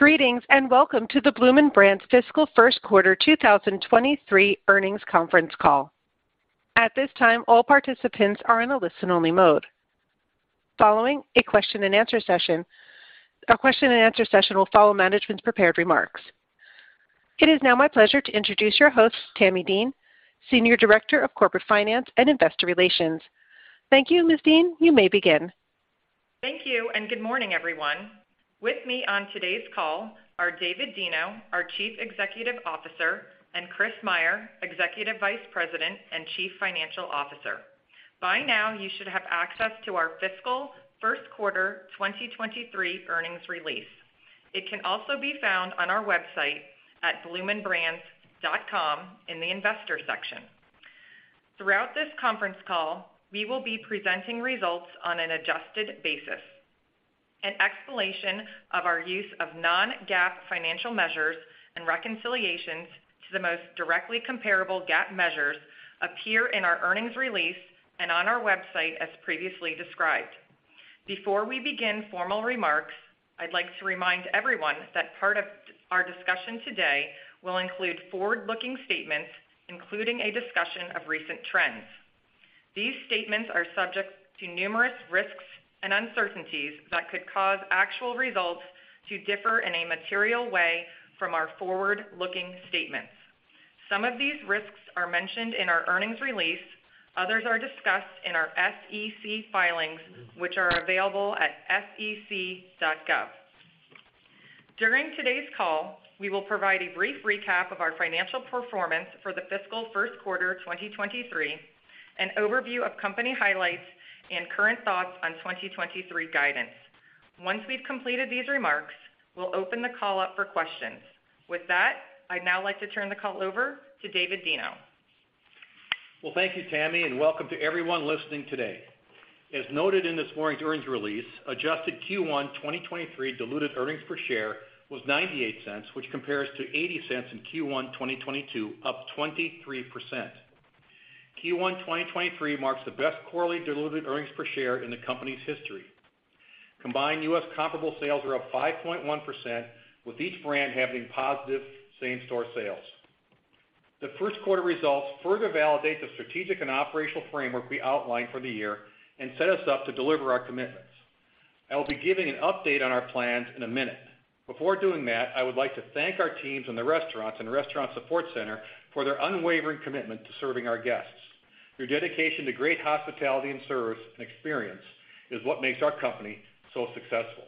Greetings, welcome to the Bloomin' Brands fiscal first quarter 2023 earnings conference call. At this time, all participants are in a listen-only mode. Following, a question-and-answer session will follow management's prepared remarks. It is now my pleasure to introduce your host, Tammy Dean, Senior Director of Corporate Finance and Investor Relations. Thank you, Ms. Dean. You may begin. Thank you, and good morning, everyone. With me on today's call are David Deno, our Chief Executive Officer, and Chris Meyer, Executive Vice President and Chief Financial Officer. By now, you should have access to our fiscal first quarter 2023 earnings release. It can also be found on our website at bloominbrands.com in the investor section. Throughout this conference call, we will be presenting results on an adjusted basis. An explanation of our use of non-GAAP financial measures and reconciliations to the most directly comparable GAAP measures appear in our earnings release and on our website, as previously described. Before we begin formal remarks, I'd like to remind everyone that part of our discussion today will include forward-looking statements, including a discussion of recent trends. These statements are subject to numerous risks and uncertainties that could cause actual results to differ in a material way from our forward-looking statements. Some of these risks are mentioned in our earnings release. Others are discussed in our SEC filings, which are available at sec.gov. During today's call, we will provide a brief recap of our financial performance for the fiscal first quarter 2023, an overview of company highlights, and current thoughts on 2023 guidance. Once we've completed these remarks, we'll open the call up for questions. With that, I'd now like to turn the call over to David Deno. Well, thank you, Tammy, and welcome to everyone listening today. As noted in this morning's earnings release, adjusted Q1 2023 diluted earnings per share was $0.98, which compares to $0.80 in Q1 2022, up 23%. Q1 2023 marks the best quarterly diluted earnings per share in the company's history. Combined U.S. comparable sales were up 5.1%, with each brand having positive same-store sales. The first quarter results further validate the strategic and operational framework we outlined for the year and set us up to deliver our commitments. I will be giving an update on our plans in a minute. Before doing that, I would like to thank our teams in the restaurants and restaurant support center for their unwavering commitment to serving our guests. Your dedication to great hospitality and service and experience is what makes our company so successful.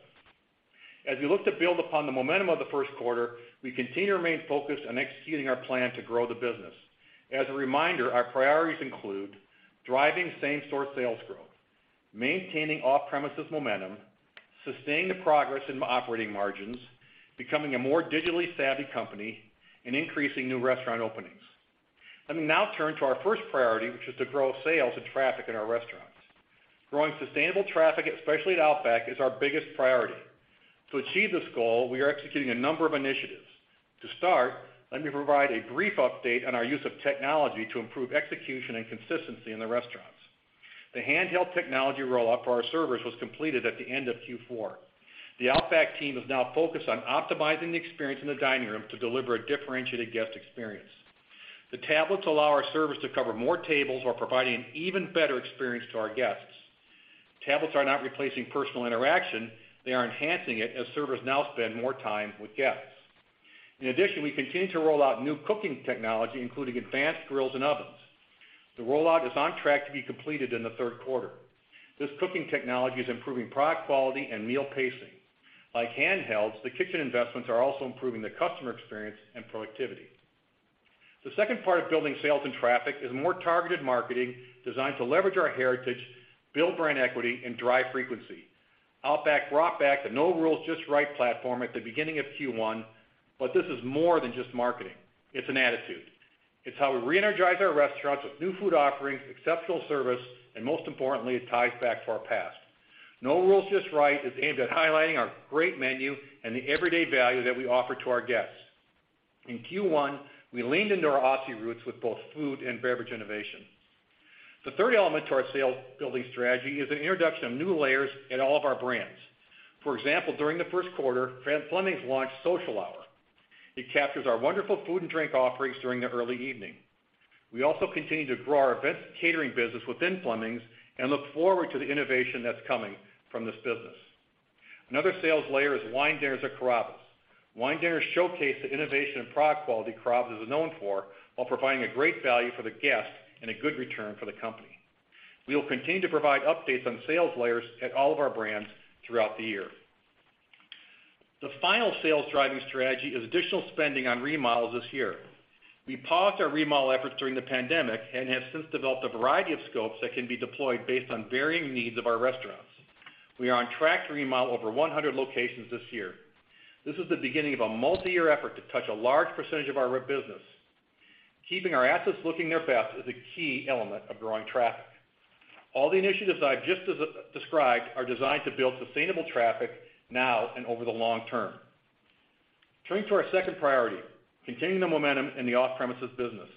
As we look to build upon the momentum of the first quarter, we continue to remain focused on executing our plan to grow the business. As a reminder, our priorities include driving same-store sales growth, maintaining off-premises momentum, sustaining the progress in operating margins, becoming a more digitally savvy company, and increasing new restaurant openings. Let me now turn to our first priority, which is to grow sales and traffic in our restaurants. Growing sustainable traffic, especially at Outback, is our biggest priority. To achieve this goal, we are executing a number of initiatives. To start, let me provide a brief update on our use of technology to improve execution and consistency in the restaurants. The handheld technology rollout for our servers was completed at the end of Q4. The Outback team is now focused on optimizing the experience in the dining room to deliver a differentiated guest experience. The tablets allow our servers to cover more tables while providing an even better experience to our guests. Tablets are not replacing personal interaction, they are enhancing it, as servers now spend more time with guests. In addition, we continue to roll out new cooking technology, including advanced grills and ovens. The rollout is on track to be completed in the third quarter. This cooking technology is improving product quality and meal pacing. Like handhelds, the kitchen investments are also improving the customer experience and productivity. The second part of building sales and traffic is more targeted marketing designed to leverage our heritage, build brand equity, and drive frequency. Outback brought back the No Rules, Just Right platform at the beginning of Q1, but this is more than just marketing. It's an attitude. It's how we reenergize our restaurants with new food offerings, exceptional service, and most importantly, it ties back to our past. No Rules, Just Right is aimed at highlighting our great menu and the everyday value that we offer to our guests. In Q1, we leaned into our Aussie roots with both food and beverage innovation. The third element to our sales building strategy is the introduction of new layers at all of our brands. For example, during the first quarter, Fleming's launched Social Hour. It captures our wonderful food and drink offerings during the early evening. We also continue to grow our events catering business within Fleming's and look forward to the innovation that's coming from this business. Another sales layer is wine dinners at Carrabba's. Wine dinners showcase the innovation and product quality Carrabba's is known for while providing a great value for the guest and a good return for the company. We will continue to provide updates on sales layers at all of our brands throughout the year. The final sales-driving strategy is additional spending on remodels this year. We paused our remodel efforts during the pandemic and have since developed a variety of scopes that can be deployed based on varying needs of our restaurants. We are on track to remodel over 100 locations this year. This is the beginning of a multi-year effort to touch a large percentage of our business. Keeping our assets looking their best is a key element of growing traffic. All the initiatives I've just described are designed to build sustainable traffic now and over the long term. Turning to our second priority, continuing the momentum in the off-premises business.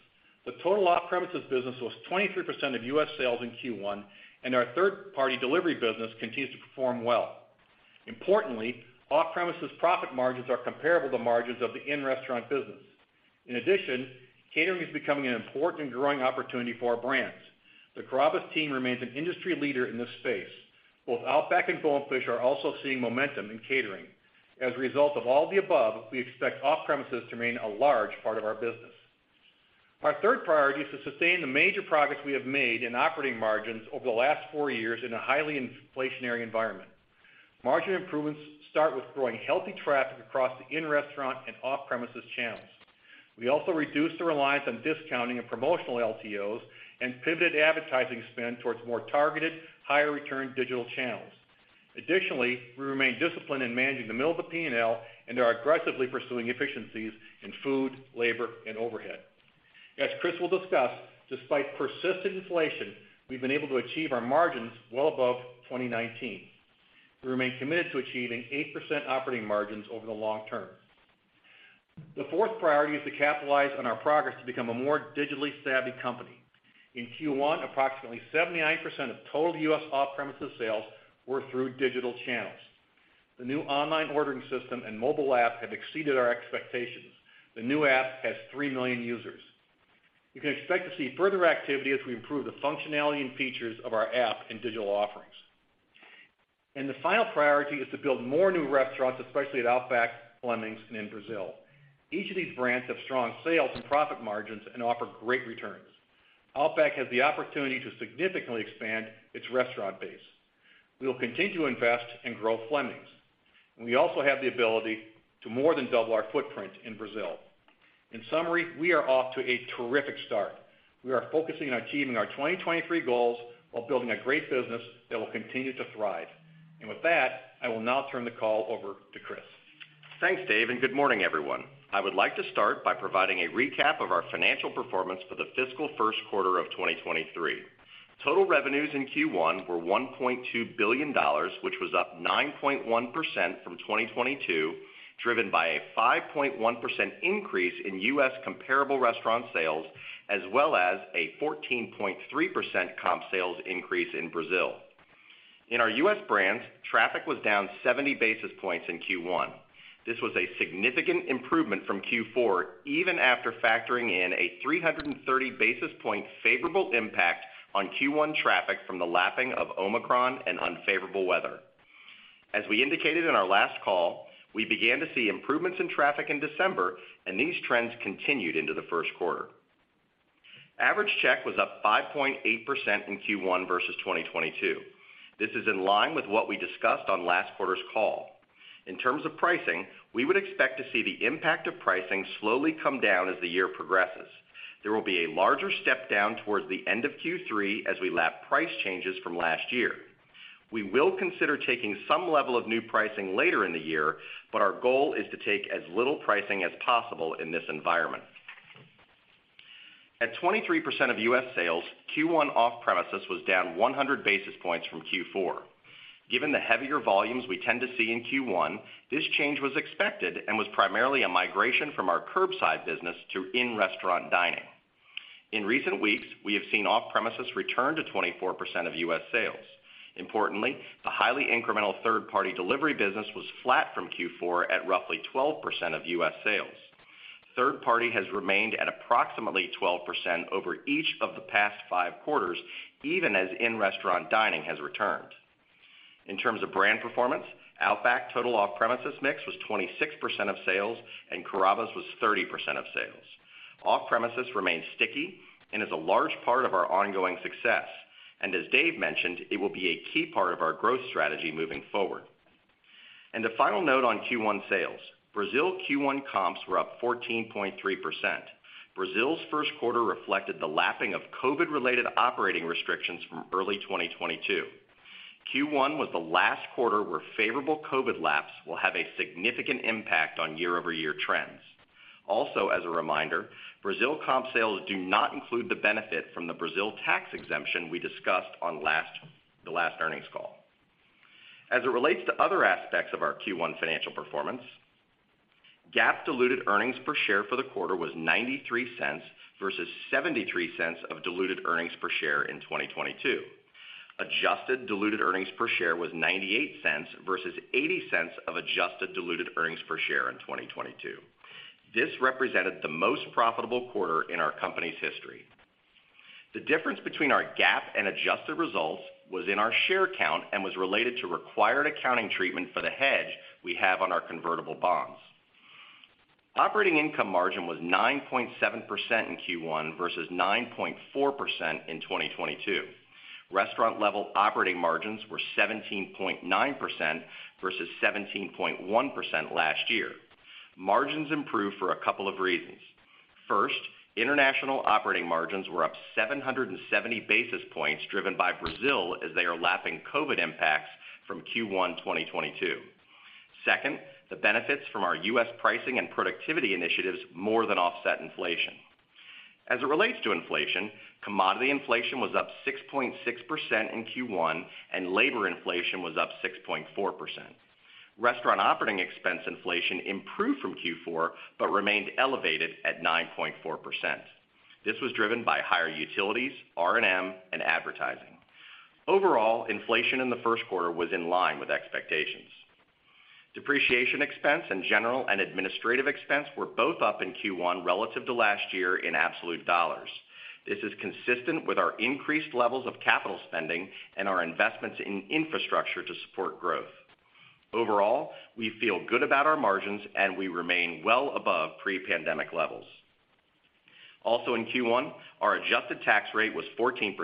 The total off-premises business was 23% of U.S. sales in Q1, and our third-party delivery business continues to perform well. Importantly, off-premises profit margins are comparable to margins of the in-restaurant business. In addition, catering is becoming an important and growing opportunity for our brands. The Carrabba's team remains an industry leader in this space. Both Outback and Bonefish are also seeing momentum in catering. As a result of all the above, we expect off-premises to remain a large part of our business. Our third priority is to sustain the major progress we have made in operating margins over the last four years in a highly inflationary environment. Margin improvements start with growing healthy traffic across the in-restaurant and off-premises channels. We also reduced the reliance on discounting and promotional LTOs and pivoted advertising spend towards more targeted, higher return digital channels. We remain disciplined in managing the middle of the P&L and are aggressively pursuing efficiencies in food, labor, and overhead. As Chris will discuss, despite persistent inflation, we've been able to achieve our margins well above 2019. We remain committed to achieving 8% operating margins over the long term. The fourth priority is to capitalize on our progress to become a more digitally savvy company. In Q1, approximately 79% of total U.S. off-premises sales were through digital channels. The new online ordering system and mobile app have exceeded our expectations. The new app has 3 million users. You can expect to see further activity as we improve the functionality and features of our app and digital offerings. The final priority is to build more new restaurants, especially at Outback, Fleming's, and in Brazil. Each of these brands have strong sales and profit margins and offer great returns. Outback has the opportunity to significantly expand its restaurant base. We will continue to invest and grow Fleming's, and we also have the ability to more than double our footprint in Brazil. In summary, we are off to a terrific start. We are focusing on achieving our 2023 goals while building a great business that will continue to thrive. With that, I will now turn the call over to Chris. Thanks, Dave, and good morning, everyone. I would like to start by providing a recap of our financial performance for the fiscal first quarter of 2023. Total revenues in Q1 were $1.2 billion, which was up 9.1% from 2022, driven by a 5.1% increase in U.S. comparable restaurant sales, as well as a 14.3% comp sales increase in Brazil. In our U.S. brands, traffic was down 70 basis points in Q1. This was a significant improvement from Q4, even after factoring in a 330 basis point favorable impact on Q1 traffic from the lapping of Omicron and unfavorable weather. As we indicated in our last call, we began to see improvements in traffic in December, and these trends continued into the first quarter. Average check was up 5.8% in Q1 versus 2022. This is in line with what we discussed on last quarter's call. In terms of pricing, we would expect to see the impact of pricing slowly come down as the year progresses. There will be a larger step down towards the end of Q3 as we lap price changes from last year. We will consider taking some level of new pricing later in the year, but our goal is to take as little pricing as possible in this environment. At 23% of U.S. sales, Q1 off-premises was down 100 basis points from Q4. Given the heavier volumes we tend to see in Q1, this change was expected and was primarily a migration from our curbside business to in-restaurant dining. In recent weeks, we have seen off-premises return to 24% of U.S. sales. Importantly, the highly incremental third-party delivery business was flat from Q4 at roughly 12% of U.S. sales. Third party has remained at approximately 12% over each of the past five quarters, even as in-restaurant dining has returned. In terms of brand performance, Outback total off-premises mix was 26% of sales and Carrabba's was 30% of sales. Off-premises remains sticky and is a large part of our ongoing success. As Dave mentioned, it will be a key part of our growth strategy moving forward. The final note on Q1 sales, Brazil Q1 comps were up 14.3%. Brazil's first quarter reflected the lapping of COVID-related operating restrictions from early 2022. Q1 was the last quarter where favorable COVID laps will have a significant impact on year-over-year trends. Also, as a reminder, Brazil comp sales do not include the benefit from the Brazil tax exemption we discussed on the last earnings call. As it relates to other aspects of our Q1 financial performance, GAAP diluted earnings per share for the quarter was $0.93 versus $0.73 of diluted earnings per share in 2022. Adjusted diluted earnings per share was $0.98 versus $0.80 of adjusted diluted earnings per share in 2022. This represented the most profitable quarter in our company's history. The difference between our GAAP and adjusted results was in our share count and was related to required accounting treatment for the hedge we have on our convertible bonds. Operating income margin was 9.7% in Q1 versus 9.4% in 2022. Restaurant level operating margins were 17.9% versus 17.1% last year. Margins improved for a couple of reasons. First, international operating margins were up 770 basis points driven by Brazil as they are lapping COVID impacts from Q1 2022. Second, the benefits from our U.S. pricing and productivity initiatives more than offset inflation. As it relates to inflation, commodity inflation was up 6.6% in Q1, and labor inflation was up 6.4%. Restaurant operating expense inflation improved from Q4, but remained elevated at 9.4%. This was driven by higher utilities, R&M, and advertising. Overall, inflation in the first quarter was in line with expectations. Depreciation expense and general and administrative expense were both up in Q1 relative to last year in absolute dollars. This is consistent with our increased levels of capital spending and our investments in infrastructure to support growth. Overall, we feel good about our margins, and we remain well above pre-pandemic levels. Also in Q1, our adjusted tax rate was 14%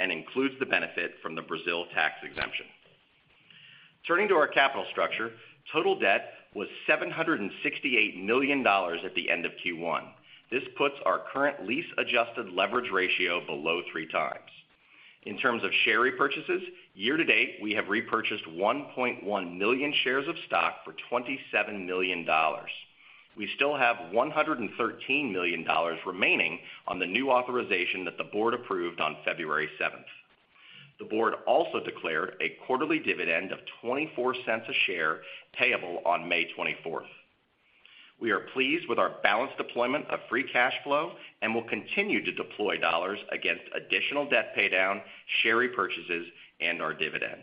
and includes the benefit from the Brazil tax exemption. Turning to our capital structure, total debt was $768 million at the end of Q1. This puts our current lease adjusted leverage ratio below 3x. In terms of share repurchases, year-to-date, we have repurchased 1.1 million shares of stock for $27 million. We still have $113 million remaining on the new authorization that the board approved on February 7th. The board also declared a quarterly dividend of $0.24 a share payable on May 24th. We are pleased with our balanced deployment of free cash flow and will continue to deploy dollars against additional debt paydown, share repurchases, and our dividend.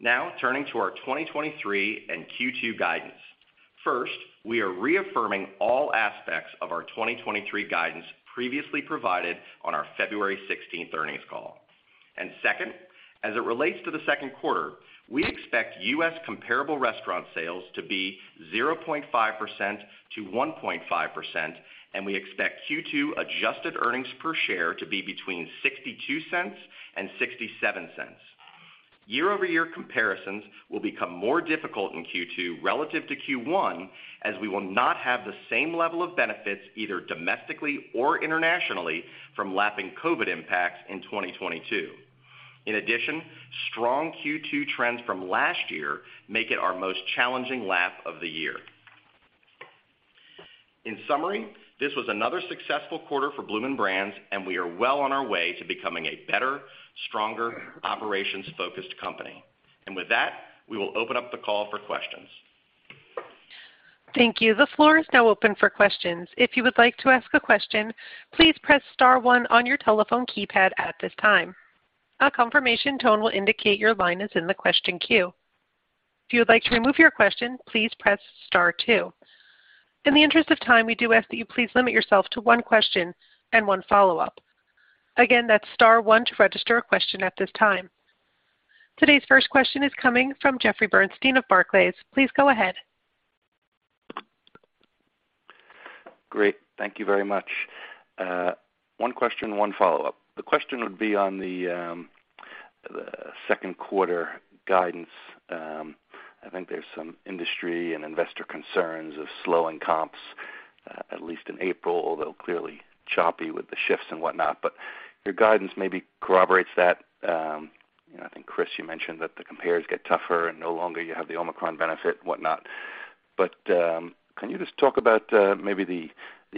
Now turning to our 2023 and Q2 guidance. First, we are reaffirming all aspects of our 2023 guidance previously provided on our February 16th earnings call. Second, as it relates to the second quarter, we expect U.S. comparable restaurant sales to be 0.5%-1.5%, and we expect Q2 adjusted earnings per share to be between $0.62 and $0.67. Year-over-year comparisons will become more difficult in Q2 relative to Q1, as we will not have the same level of benefits either domestically or internationally from lapping COVID impacts in 2022. In addition, strong Q2 trends from last year make it our most challenging lap of the year. In summary, this was another successful quarter for Bloomin' Brands, and we are well on our way to becoming a better, stronger, operations-focused company. With that, we will open up the call for questions. Thank you. The floor is now open for questions. If you would like to ask a question, please press star one on your telephone keypad at this time. A confirmation tone will indicate your line is in the question queue. If you would like to remove your question, please press star two. In the interest of time, we do ask that you please limit yourself to one question and one follow-up. Again, that's star one to register a question at this time. Today's first question is coming from Jeffrey Bernstein of Barclays. Please go ahead. Great. Thank you very much. One question, one follow-up. The question would be on the second quarter guidance. I think there's some industry and investor concerns of slowing comps, at least in April, although clearly choppy with the shifts and whatnot. Your guidance maybe corroborates that. You know, I think, Chris, you mentioned that the compares get tougher, and no longer you have the Omicron benefit and whatnot. Can you just talk about maybe the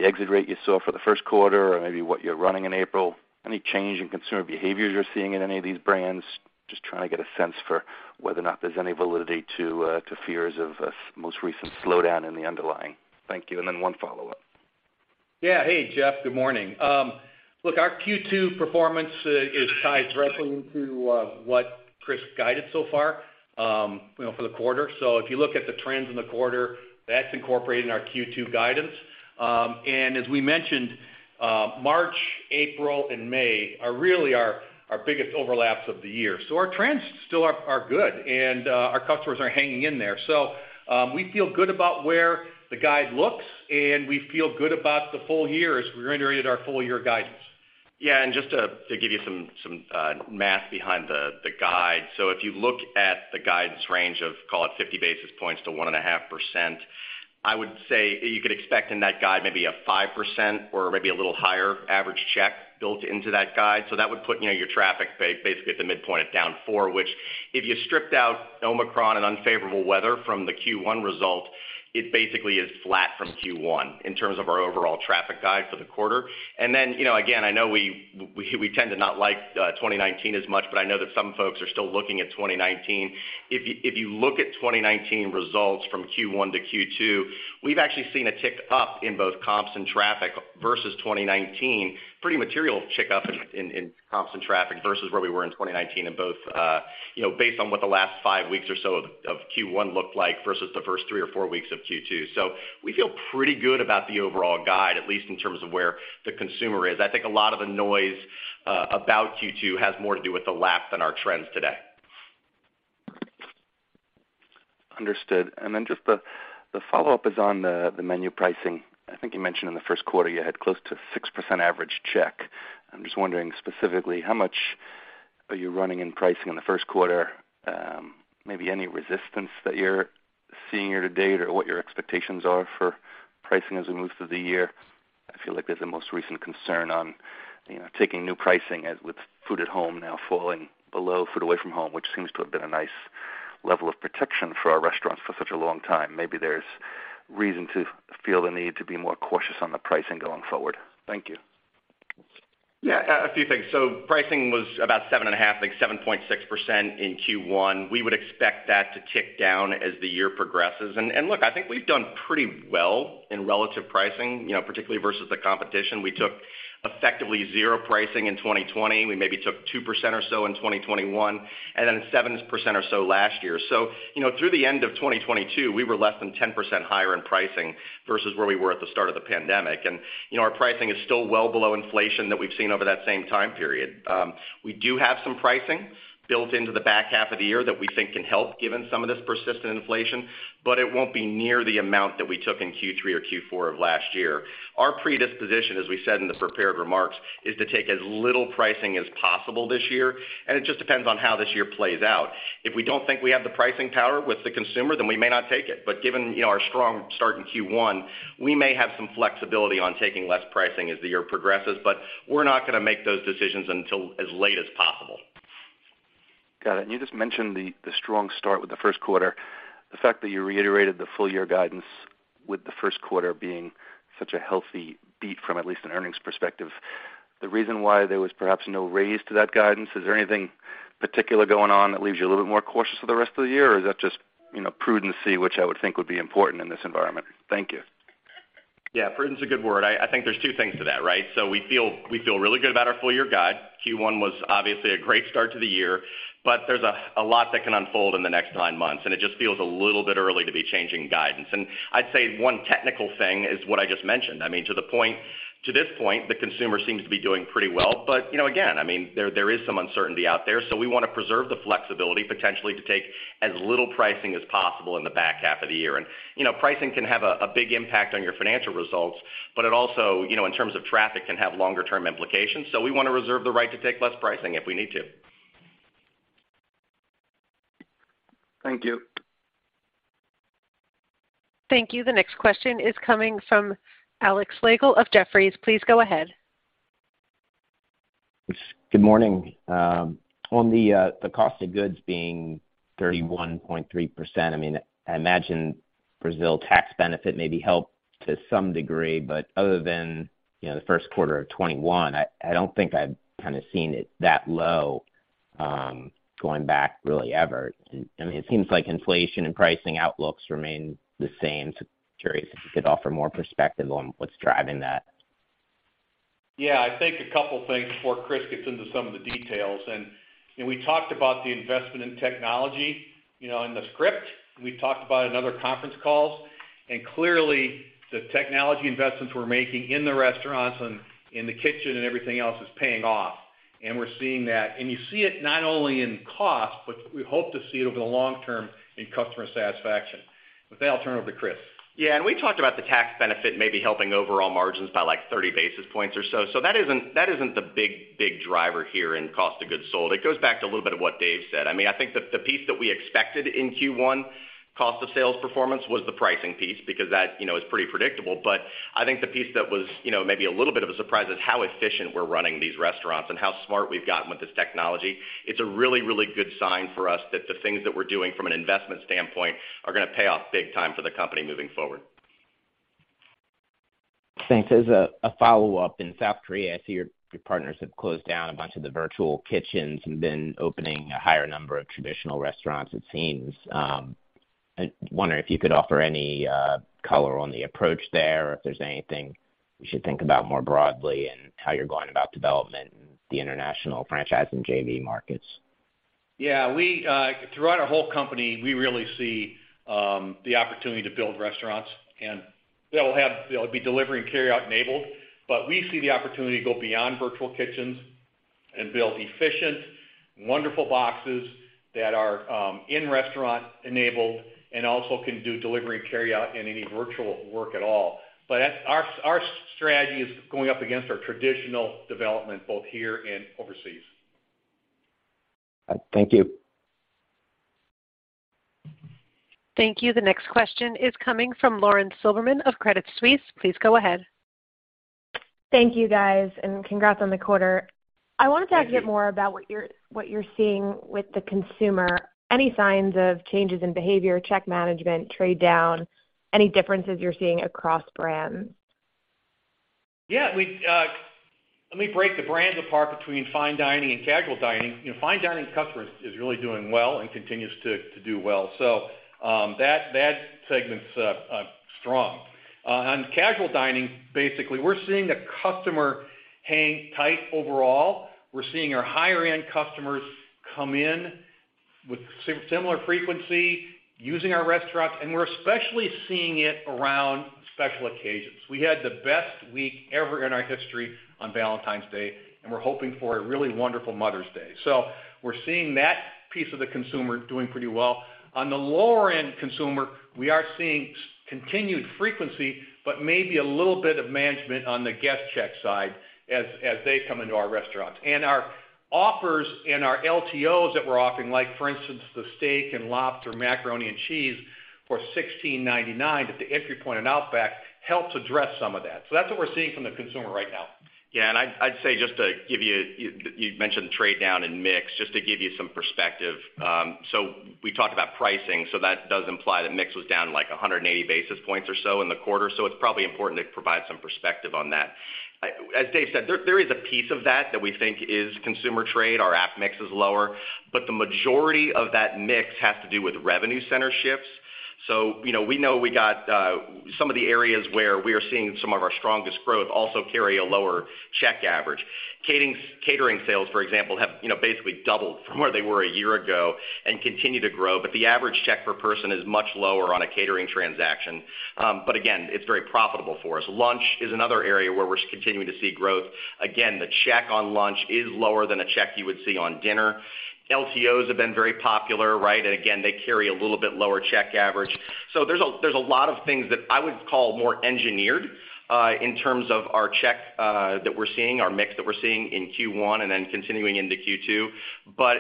exit rate you saw for the first quarter or maybe what you're running in April? Any change in consumer behaviors you're seeing in any of these brands? Just trying to get a sense for whether or not there's any validity to fears of a most recent slowdown in the underlying. Thank you. Then one follow-up. Yeah. Hey, Jeff, good morning. Look, our Q2 performance is tied directly to what Chris guided so far, you know, for the quarter. If you look at the trends in the quarter, that's incorporated in our Q2 guidance. As we mentioned, March, April, and May are really our biggest overlaps of the year. Our trends still are good, and our customers are hanging in there. We feel good about where the guide looks, and we feel good about the full-year as we reiterated our full-year guidance. Yeah. Just to give you some math behind the guide. If you look at the guidance range of, call it 50 basis points to 1.5%, I would say you could expect in that guide maybe a 5% or maybe a little higher average check built into that guide. That would put, you know, your traffic basically at the midpoint at down 4%, which if you stripped out Omicron and unfavorable weather from the Q1 result, it basically is flat from Q1 in terms of our overall traffic guide for the quarter. You know, again, I know we tend to not like 2019 as much, but I know that some folks are still looking at 2019. If you look at 2019 results from Q1 to Q2, we've actually seen a tick up in both comps and traffic versus 2019, pretty material tick up in comps and traffic versus where we were in 2019 in both, you know, based on what the last five weeks or so of Q1 looked like versus the first three or four weeks of Q2. We feel pretty good about the overall guide, at least in terms of where the consumer is. I think a lot of the noise about Q2 has more to do with the lap than our trends today. Understood. Just the follow-up is on the menu pricing. I think you mentioned in the first quarter you had close to 6% average check. I'm just wondering specifically how much are you running in pricing in the first quarter? Maybe any resistance that you're seeing year-to-date or what your expectations are for pricing as we move through the year? I feel like there's a most recent concern on, you know, taking new pricing as with food at home now falling below food away from home, which seems to have been a nice level of protection for our restaurants for such a long time. Maybe there's reason to feel the need to be more cautious on the pricing going forward. Thank you. Yeah, a few things. Pricing was about 7.5%, like 7.6% in Q1. We would expect that to tick down as the year progresses. Look, I think we've done pretty well in relative pricing, you know, particularly versus the competition. We took effectively zero pricing in 2020. We maybe took 2% or so in 2021, and then 7% or so last year. You know, through the end of 2022, we were less than 10% higher in pricing versus where we were at the start of the pandemic. You know, our pricing is still well below inflation that we've seen over that same time period. We do have some pricing built into the back half of the year that we think can help given some of this persistent inflation, but it won't be near the amount that we took in Q3 or Q4 of last year. Our predisposition, as we said in the prepared remarks, is to take as little pricing as possible this year, and it just depends on how this year plays out. If we don't think we have the pricing power with the consumer, then we may not take it. Given, you know, our strong start in Q1, we may have some flexibility on taking less pricing as the year progresses, but we're not gonna make those decisions until as late as possible. Got it. You just mentioned the strong start with the first quarter. The fact that you reiterated the full-year guidance with the first quarter being such a healthy beat from at least an earnings perspective, the reason why there was perhaps no raise to that guidance, is there anything particular going on that leaves you a little bit more cautious for the rest of the year? Or is that just, you know, prudency, which I would think would be important in this environment? Thank you. Yeah, prudence a good word. I think there's two things to that, right? We feel really good about our full-year guide. Q1 was obviously a great start to the year, but there's a lot that can unfold in the next nine months, and it just feels a little bit early to be changing guidance. I'd say one technical thing is what I just mentioned. I mean, to the point, to this point, the consumer seems to be doing pretty well. You know, again, I mean, there is some uncertainty out there. We wanna preserve the flexibility potentially to take as little pricing as possible in the back half of the year. You know, pricing can have a big impact on your financial results, but it also, you know, in terms of traffic, can have longer term implications. We want to reserve the right to take less pricing if we need to. Thank you. Thank you. The next question is coming from Alex Slagle of Jefferies. Please go ahead. Good morning. On the COGS being 31.3%, I mean, I imagine Brazil tax benefit maybe helped to some degree, but other than, you know, the first quarter of 2021, I don't think I've kinda seen it that low, going back really ever. I mean, it seems like inflation and pricing outlooks remain the same. Curious if you could offer more perspective on what's driving that? Yeah. I think a couple things before Chris gets into some of the details. You know, we talked about the investment in technology, you know, in the script. We talked about it in other conference calls. Clearly, the technology investments we're making in the restaurants and in the kitchen and everything else is paying off. We're seeing that. You see it not only in cost, but we hope to see it over the long term in customer satisfaction. With that, I'll turn over to Chris. We talked about the tax benefit maybe helping overall margins by like 30 basis points or so. That isn't the big driver here in Cost of Goods Sold. It goes back to a little bit of what Dave said. I mean, I think the piece that we expected in Q1 Cost of Sales performance was the pricing piece because that, you know, is pretty predictable. I think the piece that was, you know, maybe a little bit of a surprise is how efficient we're running these restaurants and how smart we've gotten with this technology. It's a really, really good sign for us that the things that we're doing from an investment standpoint are gonna pay off big time for the company moving forward. Thanks. As a follow-up, in South Korea, I see your partners have closed down a bunch of the virtual kitchens and been opening a higher number of traditional restaurants it seems. I wonder if you could offer any color on the approach there or if there's anything we should think about more broadly and how you're going about development in the international franchise and JV markets? We, throughout our whole company, we really see the opportunity to build restaurants, and they'll be delivery and carry out enabled, but we see the opportunity to go beyond virtual kitchens and build efficient, wonderful boxes that are in restaurant enabled and also can do delivery and carry out and any virtual work at all. That's our strategy is going up against our traditional development both here and overseas. Thank you. Thank you. The next question is coming from Lauren Silberman of Credit Suisse. Please go ahead. Thank you, guys, and congrats on the quarter. Thank you. I wanted to ask you more about what you're seeing with the consumer. Any signs of changes in behavior, check management, trade down? Any differences you're seeing across brands? Yeah. Let me break the brands apart between fine dining and casual dining. You know, fine dining customers is really doing well and continues to do well. That segment's strong. On casual dining, basically, we're seeing the customer hang tight overall. We're seeing our higher end customers come in with similar frequency using our restaurants, and we're especially seeing it around special occasions. We had the best week ever in our history on Valentine's Day, and we're hoping for a really wonderful Mother's Day. We're seeing that piece of the consumer doing pretty well. On the lower end consumer, we are seeing continued frequency, but maybe a little bit of management on the guest check side as they come into our restaurants. Our offers and our LTOs that we're offering, like for instance, the steak and lobster macaroni and cheese for $16.99 at the entry point in Outback helps address some of that. That's what we're seeing from the consumer right now. Yeah. I'd say, just to give you. You mentioned trade down and mix, just to give you some perspective. We talked about pricing, so that does imply that mix was down, like 180 basis points or so in the quarter. It's probably important to provide some perspective on that. As Dave said, there is a piece of that that we think is consumer trade. Our app mix is lower, but the majority of that mix has to do with revenue center shifts. You know, we know we got some of the areas where we are seeing some of our strongest growth also carry a lower check average. Catering sales, for example, have, you know, basically doubled from where they were a year ago and continue to grow, but the average check per person is much lower on a catering transaction. Again, it's very profitable for us. Lunch is another area where we're continuing to see growth. Again, the check on lunch is lower than a check you would see on dinner. LTOs have been very popular, right? Again, they carry a little bit lower check average. There's a lot of things that I would call more engineered in terms of our check that we're seeing, our mix that we're seeing in Q1 and then continuing into Q2.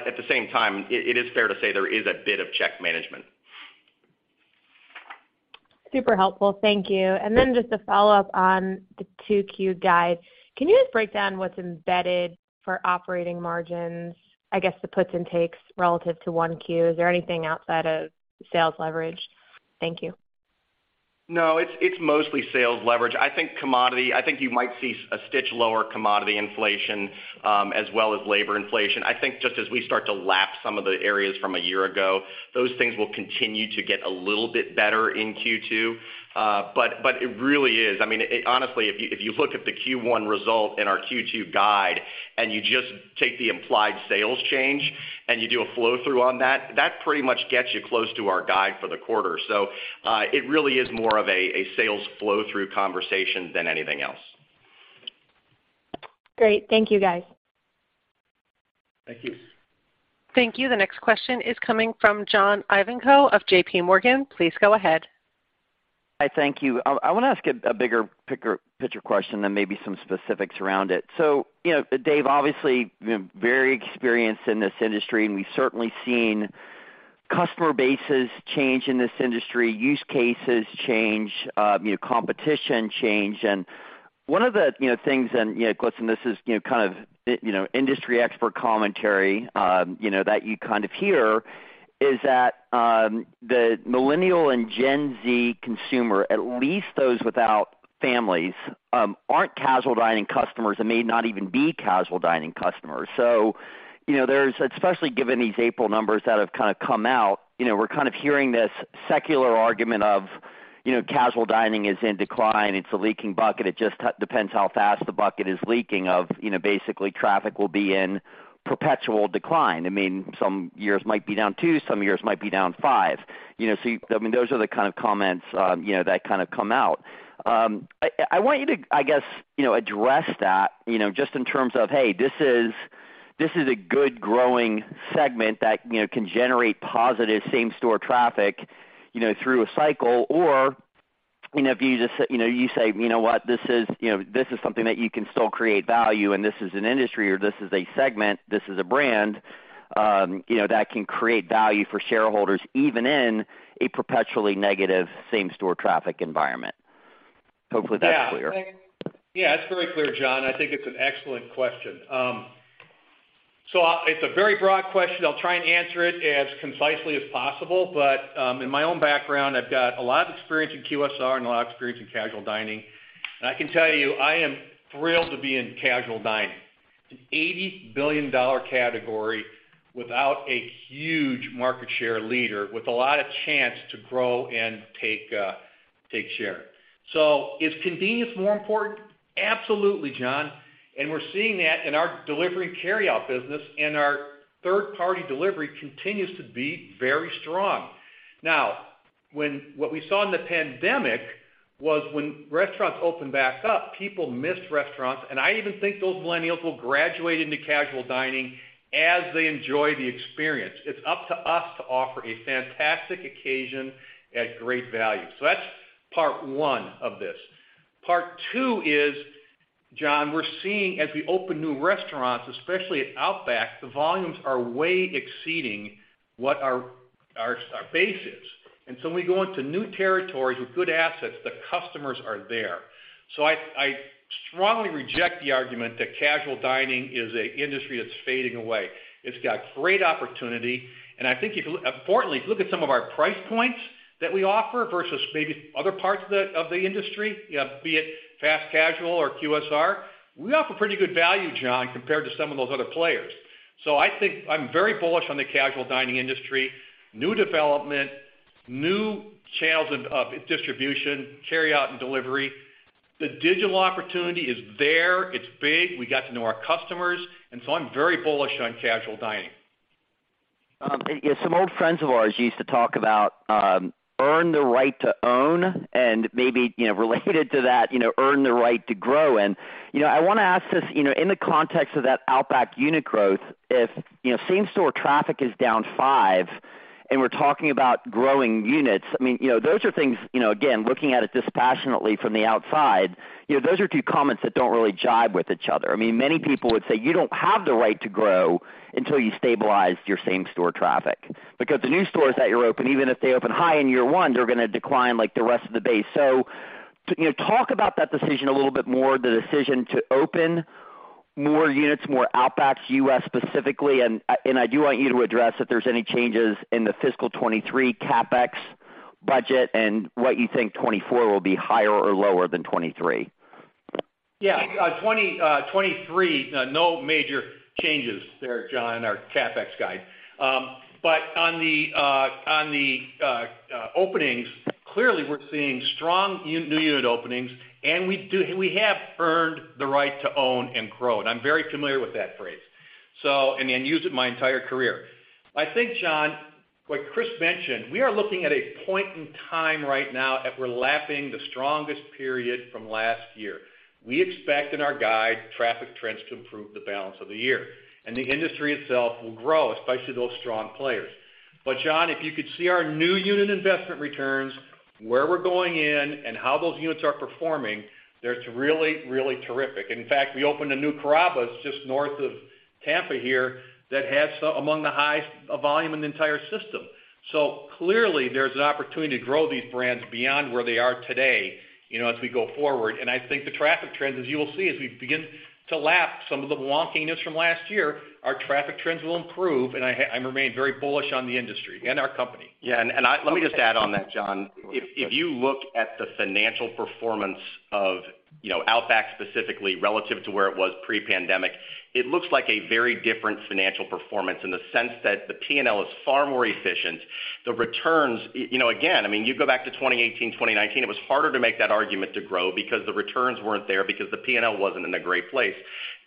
At the same time, it is fair to say there is a bit of check management. Super helpful. Thank you. Just a follow-up on the 2Q guide. Can you just break down what's embedded for operating margins? I guess the puts and takes relative to 1Q. Is there anything outside of sales leverage? Thank you. It's mostly sales leverage. I think commodity, I think you might see a stitch lower commodity inflation, as well as labor inflation. I think just as we start to lap some of the areas from a year ago, those things will continue to get a little bit better in Q2. It really is. I mean, honestly, if you look at the Q1 result in our Q2 guide and you just take the implied sales change and you do a flow through on that pretty much gets you close to our guide for the quarter. It really is more of a sales flow through conversation than anything else. Great. Thank you, guys. Thank you. Thank you. The next question is coming from John Ivankoe of JPMorgan. Please go ahead. Hi. Thank you. I wanna ask a bigger picture question, then maybe some specifics around it. You know, Dave, obviously, very experienced in this industry, and we've certainly seen customer bases change in this industry, use cases change, you know, competition change. One of the, you know, things and, you know, Knapp and this is, you know, kind of, you know, industry expert commentary, you know, that you kind of hear is that the millennial and Gen Z consumer, at least those without families, aren't casual dining customers and may not even be casual dining customers. You know, there's especially given these April numbers that have kinda come out, you know, we're kind of hearing this secular argument of, you know, casual dining is in decline, it's a leaking bucket. It just depends how fast the bucket is leaking of, you know, basically traffic will be in perpetual decline. I mean, some years might be down two, some years might be down five. You know, I mean, those are the kind of comments, you know, that kind of come out. I want you to, I guess, you know, address that, you know, just in terms of, hey, this is, this is a good growing segment that, you know, can generate positive same store traffic, you know, through a cycle. You know, if you just, you know, you say, you know what? This is, you know, this is something that you can still create value, and this is an industry, or this is a segment, this is a brand, you know, that can create value for shareholders, even in a perpetually negative same store traffic environment. Hopefully, that's clear. Yeah. Yeah, it's very clear, John. I think it's an excellent question. It's a very broad question. I'll try and answer it as concisely as possible. In my own background, I've got a lot of experience in QSR and a lot of experience in casual dining. I can tell you, I am thrilled to be in casual dining. It's an $80 billion category without a huge market share leader, with a lot of chance to grow and take share. Is convenience more important? Absolutely, John, and we're seeing that in our delivery and carryout business, and our third-party delivery continues to be very strong. What we saw in the pandemic was when restaurants opened back up, people missed restaurants, and I even think those millennials will graduate into casual dining as they enjoy the experience. It's up to us to offer a fantastic occasion at great value. That's part one of this. Part two is, John, we're seeing as we open new restaurants, especially at Outback, the volumes are way exceeding what our base is. When we go into new territories with good assets, the customers are there. I strongly reject the argument that casual dining is a industry that's fading away. It's got great opportunity, and I think importantly, if you look at some of our price points that we offer versus maybe other parts of the industry, you know, be it fast casual or QSR, we offer pretty good value, John, compared to some of those other players. I think I'm very bullish on the casual dining industry, new development, new channels of distribution, carryout and delivery. The digital opportunity is there, it's big. We got to know our customers, and so I'm very bullish on casual dining. Yeah, some old friends of ours used to talk about, earn the right to own and maybe, you know, related to that, you know, earn the right to grow. You know, I wanna ask this, you know, in the context of that Outback unit growth, if, you know, same store traffic is down 5% and we're talking about growing units, I mean, you know, those are things, you know, again, looking at it dispassionately from the outside, you know, those are two comments that don't really jive with each other. I mean, many people would say you don't have the right to grow until you stabilize your same store traffic because the new stores that you open, even if they open high in year one, they're gonna decline like the rest of the base. To, you know, talk about that decision a little bit more, the decision to open more units, more Outback U.S. specifically. I do want you to address if there's any changes in the fiscal 2023 CapEx budget and what you think 2024 will be higher or lower than 2023. Yeah. 2023, no major changes there, John, our CapEx guide. On the openings, clearly we're seeing strong new unit openings, and we have earned the right to own and grow. I'm very familiar with that phrase, so, and then used it my entire career. I think, John, what Chris mentioned, we are looking at a point in time right now that we're lapping the strongest period from last year. We expect in our guide traffic trends to improve the balance of the year. The industry itself will grow, especially those strong players. John, if you could see our new unit investment returns, where we're going in and how those units are performing, that's really, really terrific. In fact, we opened a new Carrabba's just north of Tampa here that has among the highest volume in the entire system. Clearly there's an opportunity to grow these brands beyond where they are today, you know, as we go forward. I think the traffic trends, as you'll see as we begin to lap some of the wonkiness from last year, our traffic trends will improve. I remain very bullish on the industry and our company. Let me just add on that, John. If you look at the financial performance of, you know, Outback specifically relative to where it was pre-pandemic, it looks like a very different financial performance in the sense that the P&L is far more efficient. The returns, you know, again, I mean, you go back to 2018, 2019, it was harder to make that argument to grow because the returns weren't there because the P&L wasn't in a great place.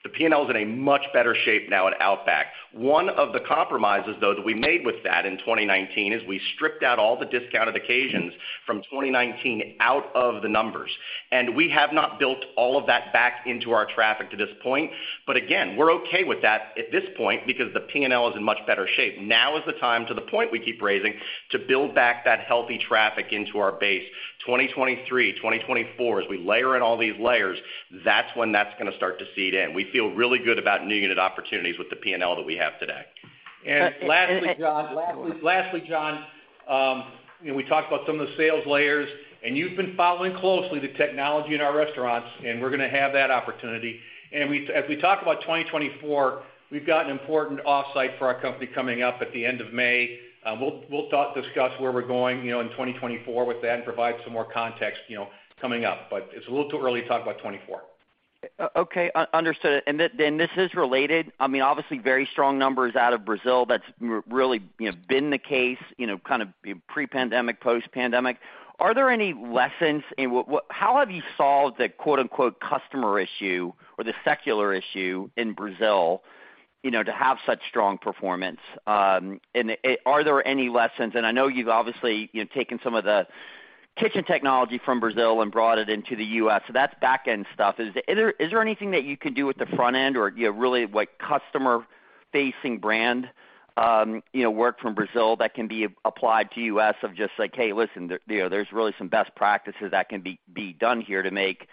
The P&L is in a much better shape now at Outback. One of the compromises, though, that we made with that in 2019 is we stripped out all the discounted occasions from 2019 out of the numbers, and we have not built all of that back into our traffic to this point. Again, we're okay with that at this point because the P&L is in much better shape. Now is the time, to the point we keep raising, to build back that healthy traffic into our base. 2023, 2024, as we layer in all these layers, that's when that's gonna start to seed in. We feel really good about new unit opportunities with the P&L that we have today. Lastly, John, you know, we talked about some of the sales layers, and you've been following closely the technology in our restaurants, and we're gonna have that opportunity. As we talk about 2024, we've got an important offsite for our company coming up at the end of May. We'll talk, discuss where we're going, you know, in 2024 with that and provide some more context, you know, coming up. It's a little too early to talk about 2024. Okay, understood. This is related, I mean, obviously very strong numbers out of Brazil. That's really, you know, been the case, you know, kind of pre-pandemic, post-pandemic. Are there any lessons in what, how have you solved the quote-unquote customer issue or the secular issue in Brazil, you know, to have such strong performance? Are there any lessons? I know you've obviously, you know, taken some of the kitchen technology from Brazil and brought it into the U.S., so that's back-end stuff. Is there anything that you can do with the front end or, you know, really like customer facing brand, you know, work from Brazil that can be applied to U.S. of just like, "Hey, listen, you know, there's really some best practices that can be done here to make,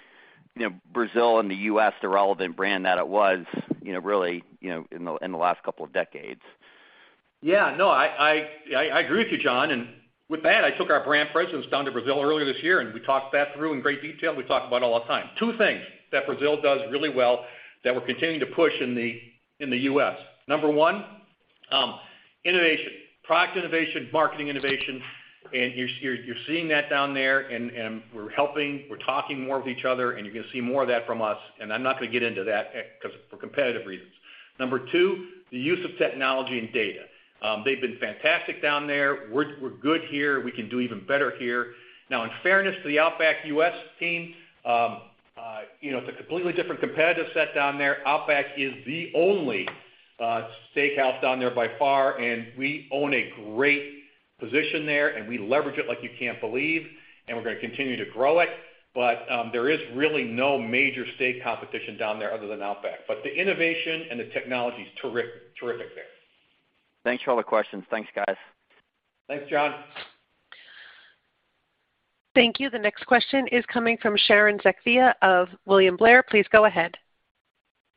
you know, Brazil and the U.S. the relevant brand that it was, you know, really, you know, in the, in the last couple of decades? Yeah, no, I agree with you, John. With that, I took our brand presidents down to Brazil earlier this year, and we talked that through in great detail. We talk about it all the time. Two things that Brazil does really well that we're continuing to push in the U.S.. Number one, innovation, product innovation, marketing innovation. You're seeing that down there, and we're helping, we're talking more with each other, and you're gonna see more of that from us. I'm not gonna get into that 'cause for competitive reasons. Number two, the use of technology and data. They've been fantastic down there. We're good here. We can do even better here. Now, in fairness to the Outback U.S. team, you know, it's a completely different competitive set down there. Outback is the only steakhouse down there by far, and we own a great position there, and we leverage it like you can't believe, and we're gonna continue to grow it. There is really no major steak competition down there other than Outback. The innovation and the technology is terrific there. Thanks for all the questions. Thanks, guys. Thanks, John. Thank you. The next question is coming from Sharon Zackfia of William Blair. Please go ahead.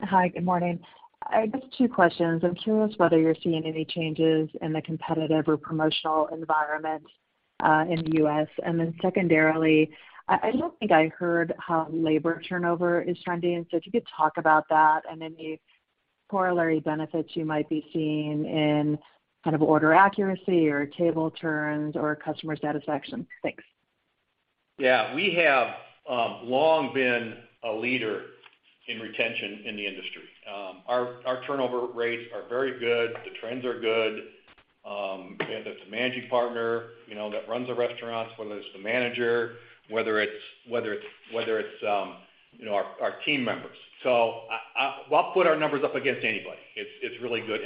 Hi. Good morning. I've just two questions. I'm curious whether you're seeing any changes in the competitive or promotional environment in the U.S. Secondarily, I don't think I heard how labor turnover is trending. If you could talk about that and any corollary benefits you might be seeing in kind of order accuracy or table turns or customer satisfaction. Thanks. Yeah. We have long been a leader in retention in the industry. Our turnover rates are very good. The trends are good. Whether it's a managing partner, you know, that runs the restaurants, whether it's the manager, whether it's, you know, our team members. We'll put our numbers up against anybody. It's, it's really good.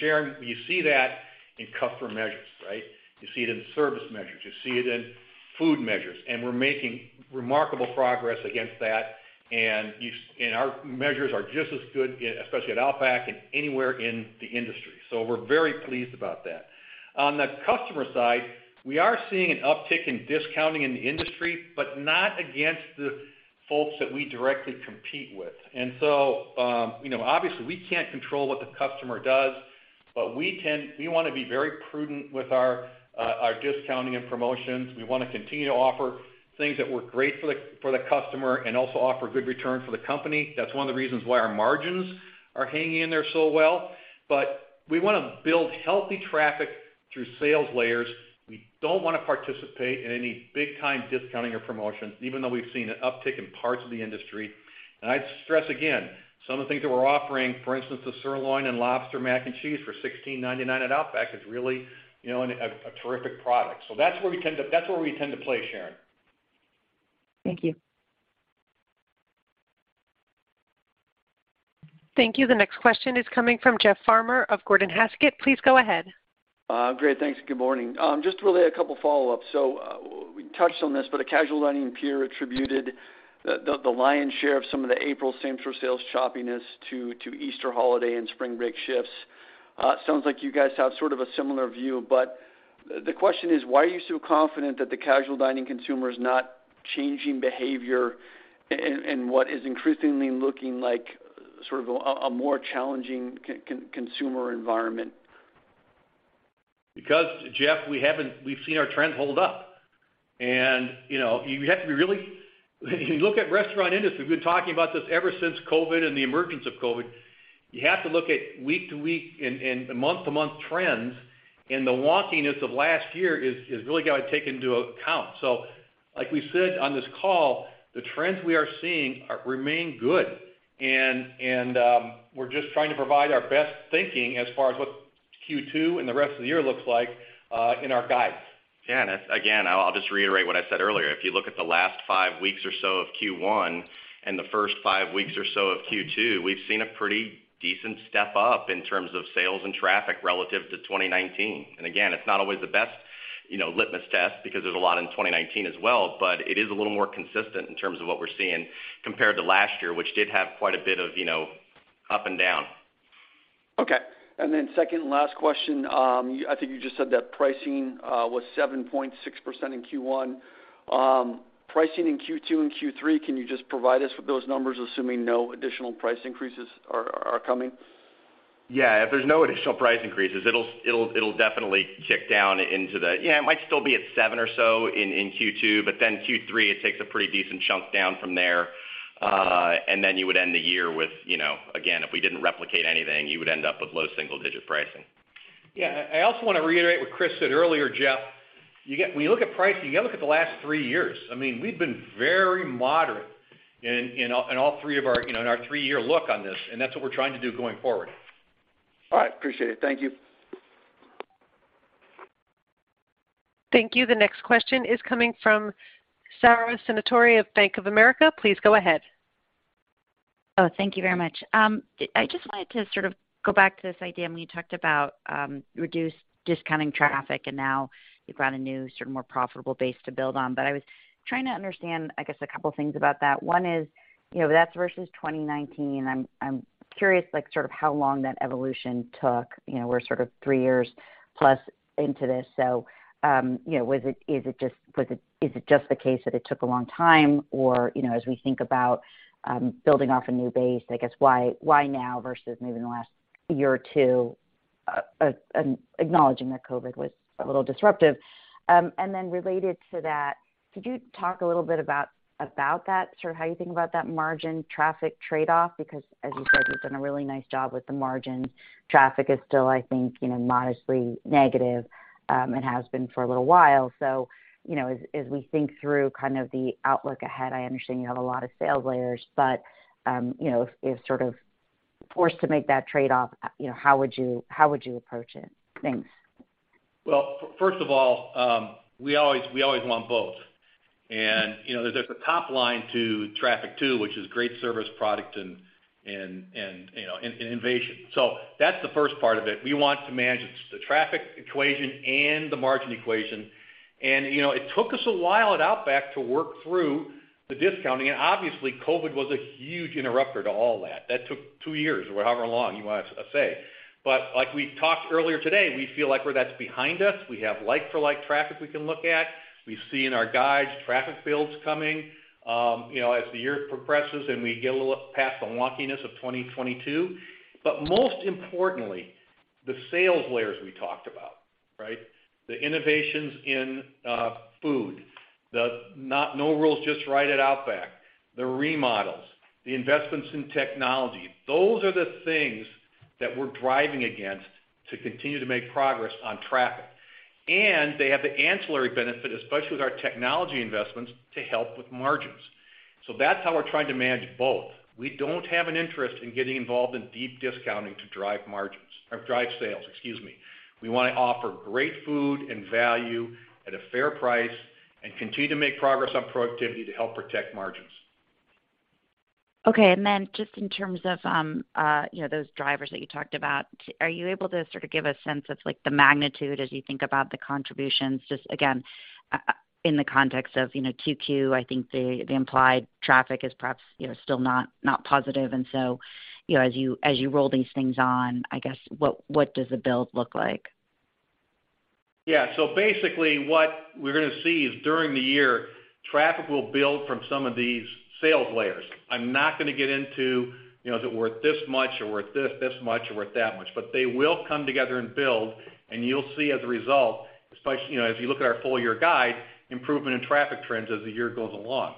Sharon, you see that in customer measures, right? You see it in service measures, you see it in food measures, and we're making remarkable progress against that. Our measures are just as good, especially at Outback and anywhere in the industry. We're very pleased about that. On the customer side, we are seeing an uptick in discounting in the industry, but not against the folks that we directly compete with. You know, obviously, we can't control what the customer does. But we want to be very prudent with our discounting and promotions. We want to continue to offer things that work great for the customer and also offer good return for the company. That's one of the reasons why our margins are hanging in there so well. We want to build healthy traffic through sales layers. We don't want to participate in any big time discounting or promotions, even though we've seen an uptick in parts of the industry. I'd stress again, some of the things that we're offering, for instance, the sirloin and lobster mac and cheese for $16.99 at Outback is really, you know, a terrific product. That's where we tend to, that's where we tend to play, Sharon. Thank you. Thank you. The next question is coming from Jeff Farmer of Gordon Haskett. Please go ahead. Great, thanks, and good morning. Just really a couple follow-ups. We touched on this, but a casual dining peer attributed the lion's share of some of the April same-store sales choppiness to Easter holiday and spring break shifts. Sounds like you guys have sort of a similar view, but the question is, why are you so confident that the casual dining consumer is not changing behavior in what is increasingly looking like sort of a more challenging consumer environment? Jeff, we've seen our trend hold up. You know, you have to be really. If you look at restaurant industry, we've been talking about this ever since COVID and the emergence of COVID. You have to look at week to week and month to month trends, and the wonkiness of last year is really got to take into account. Like we said on this call, the trends we are seeing are remain good. We're just trying to provide our best thinking as far as what Q2 and the rest of the year looks like in our guides. Yeah. Again, I'll just reiterate what I said earlier. If you look at the last five weeks or so of Q1 and the first five weeks or so of Q2, we've seen a pretty decent step up in terms of sales and traffic relative to 2019. Again, it's not always the best, you know, litmus test because there's a lot in 2019 as well. It is a little more consistent in terms of what we're seeing compared to last year, which did have quite a bit of, you know, up and down. Okay. Second and last question. I think you just said that pricing was 7.6% in Q1. Pricing in Q2 and Q3, can you just provide us with those numbers, assuming no additional price increases are coming? Yeah. If there's no additional price increases, it'll definitely tick down into the. Yeah, it might still be at seven or so in Q2. Q3, it takes a pretty decent chunk down from there. You would end the year with, you know, again, if we didn't replicate anything, you would end up with low single digit pricing. Yeah. I also want to reiterate what Chris said earlier, Jeff. When you look at pricing, you got to look at the last three years. I mean, we've been very moderate in all three of our, you know, in our three-year look on this. That's what we're trying to do going forward. All right. Appreciate it. Thank you. Thank you. The next question is coming from Sara Senatore of Bank of America. Please go ahead. Thank you very much. I just wanted to sort of go back to this idea when you talked about reduced discounting traffic, and now you've got a new sort of more profitable base to build on. I was trying to understand, I guess, a couple things about that. One is, you know, that's versus 2019. I'm curious, like, sort of how long that evolution took. You know, we're sort of 3 years+ into this. You know, is it just the case that it took a long time? You know, as we think about building off a new base, I guess, why now versus maybe in the last year or two, acknowledging that COVID was a little disruptive. Related to that, could you talk a little bit about that, sort of how you think about that margin traffic trade-off? As you said, you've done a really nice job with the margin. Traffic is still, I think, you know, modestly negative, and has been for a little while. You know, as we think through kind of the outlook ahead, I understand you have a lot of sales layers, but, you know, if sort of forced to make that trade-off, you know, how would you approach it? Thanks. First of all, we always want both. You know, there's a top line to traffic too, which is great service product and innovation. That's the first part of it. We want to manage the traffic equation and the margin equation. You know, it took us a while at Outback to work through the discounting. Obviously, COVID was a huge interrupter to all that. That took two years or however long you want to say. Like we talked earlier today, we feel like where that's behind us. We have like for like traffic we can look at. We see in our guides traffic builds coming, you know, as the year progresses, and we get a little past the wonkiness of 2022. Most importantly, the sales layers we talked about, right? The innovations in food, the No Rules, Just Right Outback, the remodels, the investments in technology. Those are the things that we're driving against to continue to make progress on traffic. They have the ancillary benefit, especially with our technology investments, to help with margins. That's how we're trying to manage both. We don't have an interest in getting involved in deep discounting to drive margins or drive sales, excuse me. We want to offer great food and value at a fair price and continue to make progress on productivity to help protect margins. Okay. Just in terms of, you know, those drivers that you talked about, are you able to sort of give a sense of, like, the magnitude as you think about the contributions? Just again, in the context of, you know, Q2, I think the implied traffic is perhaps, you know, still not positive. You know, as you roll these things on, I guess, what does the build look like? Yeah. Basically what we're gonna see is during the year, traffic will build from some of these sales layers. I'm not gonna get into, you know, is it worth this much or worth this much or worth that much. They will come together and build, and you'll see as a result, especially, you know, as you look at our full-year guide, improvement in traffic trends as the year goes along.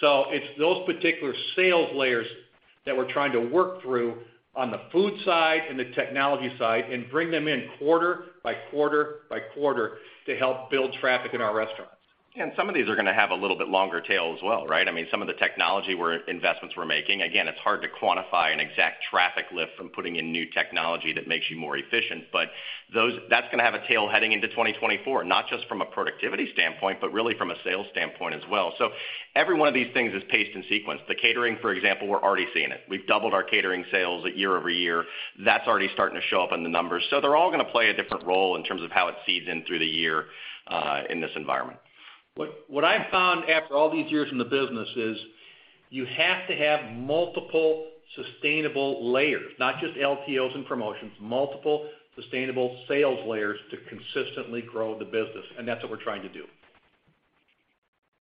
It's those particular sales layers that we're trying to work through on the food side and the technology side and bring them in quarter by quarter by quarter to help build traffic in our restaurants. Some of these are gonna have a little bit longer tail as well, right? I mean, some of the technology investments we're making, again, it's hard to quantify an exact traffic lift from putting in new technology that makes you more efficient. That's gonna have a tail heading into 2024, not just from a productivity standpoint, but really from a sales standpoint as well. Every one of these things is paced in sequence. The catering, for example, we're already seeing it. We've doubled our catering sales year-over-year. That's already starting to show up in the numbers. They're all gonna play a different role in terms of how it seeds in through the year in this environment. What I've found after all these years in the business is you have to have multiple sustainable layers, not just LTOs and promotions, multiple sustainable sales layers to consistently grow the business, and that's what we're trying to do.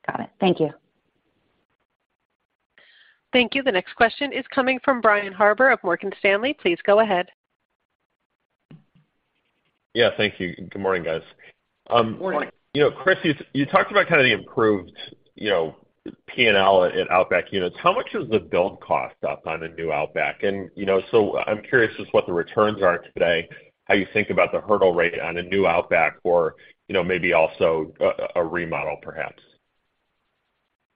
Got it. Thank you. Thank you. The next question is coming from Brian Harbour of Morgan Stanley. Please go ahead. Yeah, thank you. Good morning, guys. Morning. Morning. You know, Chris, you talked about kind of the improved, you know, P&L at Outback units. How much is the build cost up on a new Outback? You know, I'm curious just what the returns are today, how you think about the hurdle rate on a new Outback or, you know, maybe also a remodel perhaps.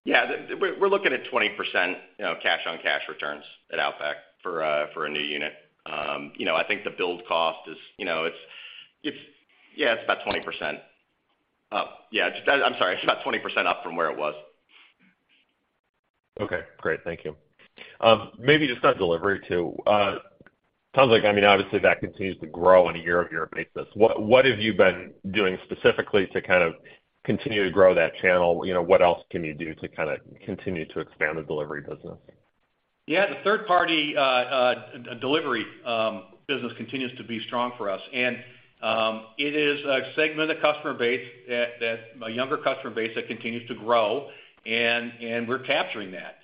Yeah. We're looking at 20%, you know, cash-on-cash returns at Outback for a new unit. You know, I think the build cost is, you know, it's about 20%. Yeah, I'm sorry, it's about 20% up from where it was. Okay, great. Thank you. Maybe just on delivery too. Sounds like, I mean, obviously that continues to grow on a year-over-year basis. What have you been doing specifically to kind of continue to grow that channel? You know, what else can you do to kinda continue to expand the delivery business? Yeah, the third party delivery business continues to be strong for us. It is a segment of customer base that a younger customer base that continues to grow, and we're capturing that.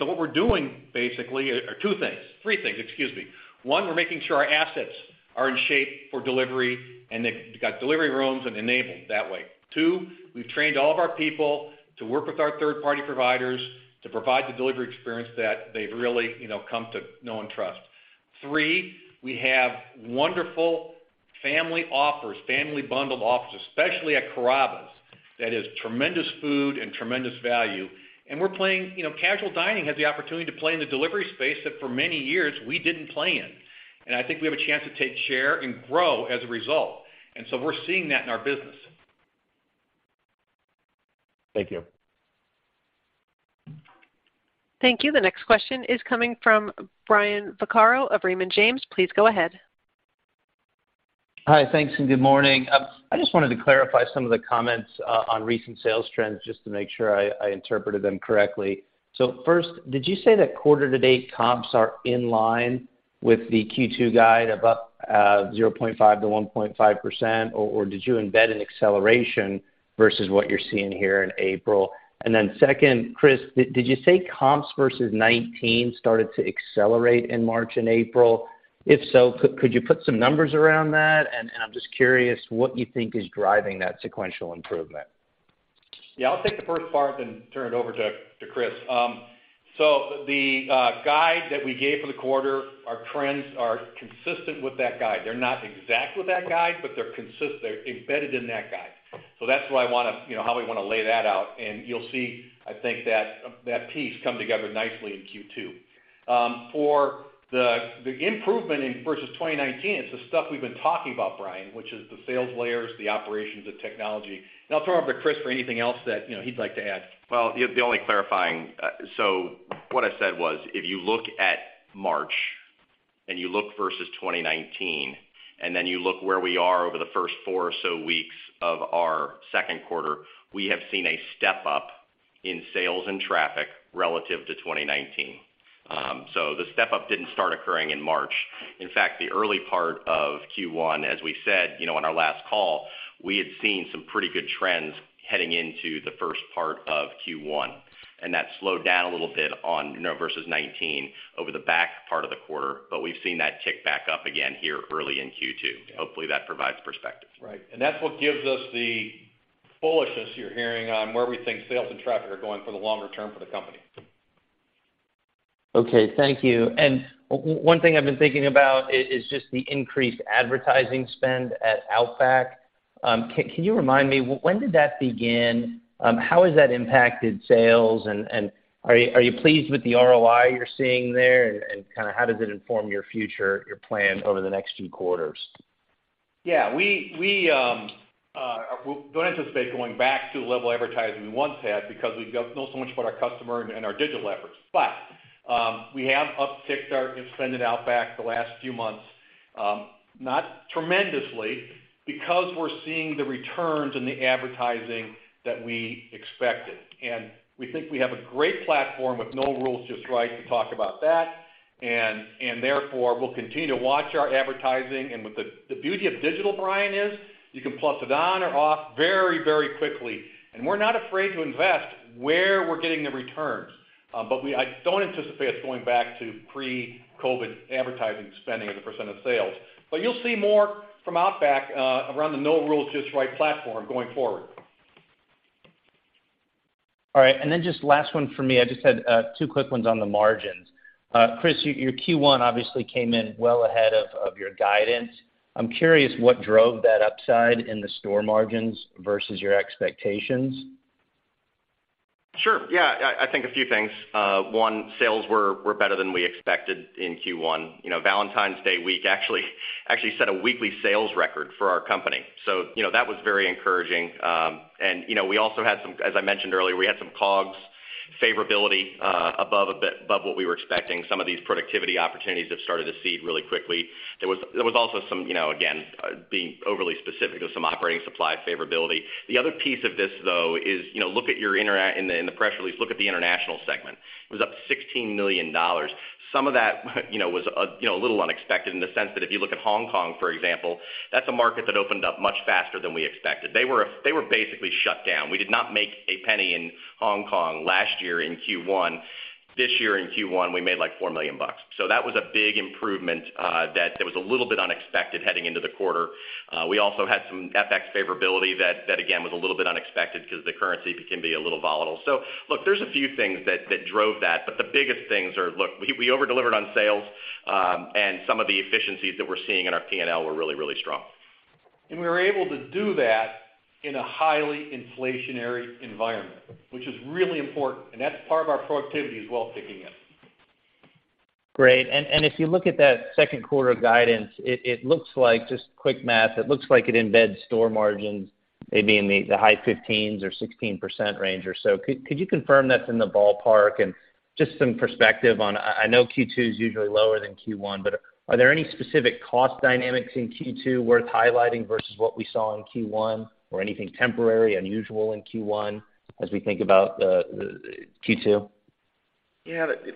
What we're doing basically are two things. Three things, excuse me. One, we're making sure our assets are in shape for delivery, and they've got delivery rooms and enabled that way. Two, we've trained all of our people to work with our third-party providers to provide the delivery experience that they've really, you know, come to know and trust. Three, we have wonderful family offers, family bundled offers, especially at Carrabba's, that is tremendous food and tremendous value. You know, casual dining has the opportunity to play in the delivery space that for many years we didn't play in. I think we have a chance to take share and grow as a result. We're seeing that in our business. Thank you. Thank you. The next question is coming from Brian Vaccaro of Raymond James. Please go ahead. Hi, thanks, and good morning. I just wanted to clarify some of the comments on recent sales trends just to make sure I interpreted them correctly. First, did you say that quarter to date comps are in line with the Q2 guide of up 0.5%-1.5%? Or did you embed an acceleration versus what you're seeing here in April? Second, Chris, did you say comps versus 2019 started to accelerate in March and April? If so, could you put some numbers around that? I'm just curious what you think is driving that sequential improvement. Yeah, I'll take the first part then turn it over to Chris. The guide that we gave for the quarter, our trends are consistent with that guide. They're not exact with that guide, but they're embedded in that guide. That's why I wanna, you know, how we wanna lay that out. You'll see, I think that piece come together nicely in Q2. For the improvement in versus 2019, it's the stuff we've been talking about, Brian, which is the sales layers, the operations, the technology. I'll throw it over to Chris for anything else that, you know, he'd like to add. The only clarifying. What I said was, if you look at March and you look versus 2019, and then you look where we are over the first four or so weeks of our second quarter, we have seen a step up in sales and traffic relative to 2019. The step up didn't start occurring in March. In fact, the early part of Q1, as we said, you know, on our last call, we had seen some pretty good trends heading into the first part of Q1, and that slowed down a little bit on, you know, versus 2019 over the back part of the quarter. We've seen that tick back up again here early in Q2. Hopefully, that provides perspective. Right. That's what gives us the bullishness you're hearing on where we think sales and traffic are going for the longer term for the company. Okay, thank you. One thing I've been thinking about is just the increased advertising spend at Outback. Can you remind me when did that begin? How has that impacted sales? Are you pleased with the ROI you're seeing there? Kinda how does it inform your future, your plan over the next few quarters? Yeah. We don't anticipate going back to the level of advertising we once had because we know so much about our customer and our digital efforts. But we have upticked our spend at Outback the last few months, not tremendously because we're seeing the returns in the advertising that we expected. We think we have a great platform with No Rules, Just Right to talk about that. Therefore, we'll continue to watch our advertising. With the beauty of digital, Brian, is you can plus it on or off very, very quickly. We're not afraid to invest where we're getting the returns. I don't anticipate us going back to pre-COVID advertising spending as a percent of sales. You'll see more from Outback, around the No Rules, Just Right platform going forward. All right. Just last one for me. I just had two quick ones on the margins. Chris, your Q1 obviously came in well ahead of your guidance. I'm curious what drove that upside in the store margins versus your expectations. Sure. Yeah. I think a few things. One, sales were better than we expected in Q1. You know, Valentine's Day week actually set a weekly sales record for our company. That was very encouraging. You know, as I mentioned earlier, we had some COGS favorability above a bit above what we were expecting. Some of these productivity opportunities have started to seed really quickly. There was also some, you know, again, being overly specific of some operating supply favorability. The other piece of this, though, is, you know, in the press release, look at the international segment. It was up $16 million. Some of that, you know, was, you know, a little unexpected in the sense that if you look at Hong Kong, for example, that's a market that opened up much faster than we expected. They were basically shut down. We did not make a penny in Hong Kong last year in Q1. This year in Q1, we made, like, $4 million. That was a big improvement that there was a little bit unexpected heading into the quarter. We also had some FX favorability that again, was a little bit unexpected because the currency can be a little volatile. Look, there's a few things that drove that, but the biggest things are, look, we over-delivered on sales, and some of the efficiencies that we're seeing in our P&L were really, really strong. We were able to do that in a highly inflationary environment, which is really important, and that's part of our productivity as well, ticking up. Great. If you look at that second quarter guidance, it looks like, just quick math, it looks like it embeds store margins maybe in the high 15% or 16% range or so. Could you confirm that's in the ballpark? Just some perspective on, I know Q2 is usually lower than Q1, but are there any specific cost dynamics in Q2 worth highlighting versus what we saw in Q1 or anything temporary, unusual in Q1 as we think about Q2?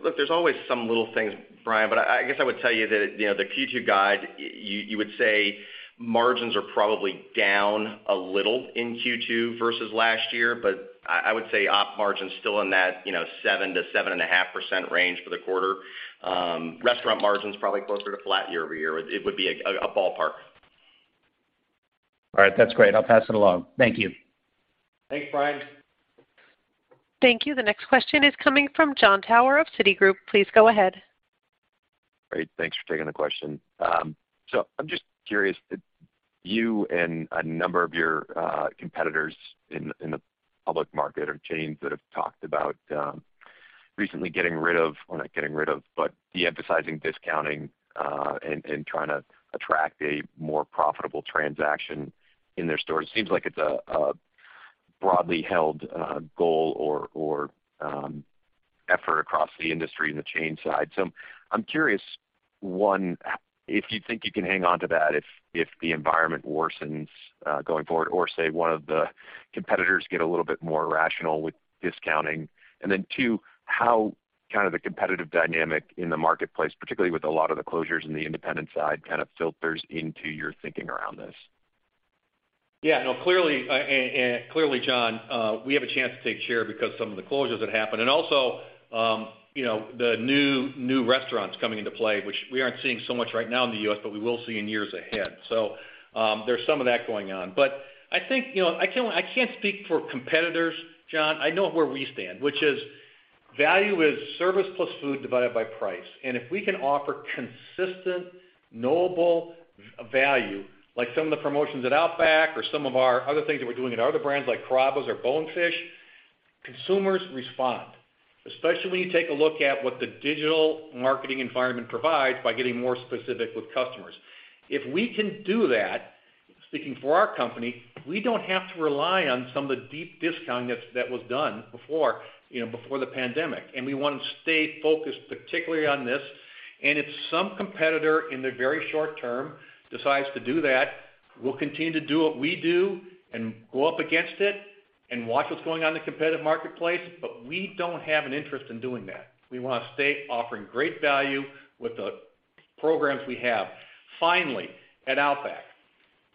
Look, there's always some little things, Brian, I guess I would tell you that, you know, the Q2 guide, you would say margins are probably down a little in Q2 versus last year. I would say op margin is still in that, you know, 7%-7.5% range for the quarter. Restaurant margin's probably closer to flat year-over-year. It would be a ballpark. All right. That's great. I'll pass it along. Thank you. Thanks, Brian. Thank you. The next question is coming from Jon Tower of Citigroup. Please go ahead. Great. Thanks for taking the question. I'm just curious, you and a number of your competitors in the public market or chains that have talked about recently getting rid of or not getting rid of, but de-emphasizing discounting, and trying to attract a more profitable transaction in their stores. It seems like it's a broadly held goal or effort across the industry in the chain side. I'm curious, one, if you think you can hang on to that if the environment worsens going forward, or say one of the competitors get a little bit more rational with discounting. Two, how kind of the competitive dynamic in the marketplace, particularly with a lot of the closures in the independent side, kind of filters into your thinking around this? Yeah. No, clearly, John, we have a chance to take share because some of the closures that happened. Also, you know, the new restaurants coming into play, which we aren't seeing so much right now in the U.S., but we will see in years ahead. There's some of that going on. I think, you know, I can't, I can't speak for competitors, John. I know where we stand, which is value is service plus food divided by price. And if we can offer consistent, knowable value, like some of the promotions at Outback or some of our other things that we're doing at other brands like Carrabba's or Bonefish, consumers respond, especially when you take a look at what the digital marketing environment provides by getting more specific with customers. If we can do that, speaking for our company, we don't have to rely on some of the deep discounting that was done before, you know, before the pandemic. We want to stay focused, particularly on this. If some competitor in the very short term decides to do that, we'll continue to do what we do and go up against it and watch what's going on in the competitive marketplace. We don't have an interest in doing that. We want to stay offering great value with the programs we have. Finally, at Outback,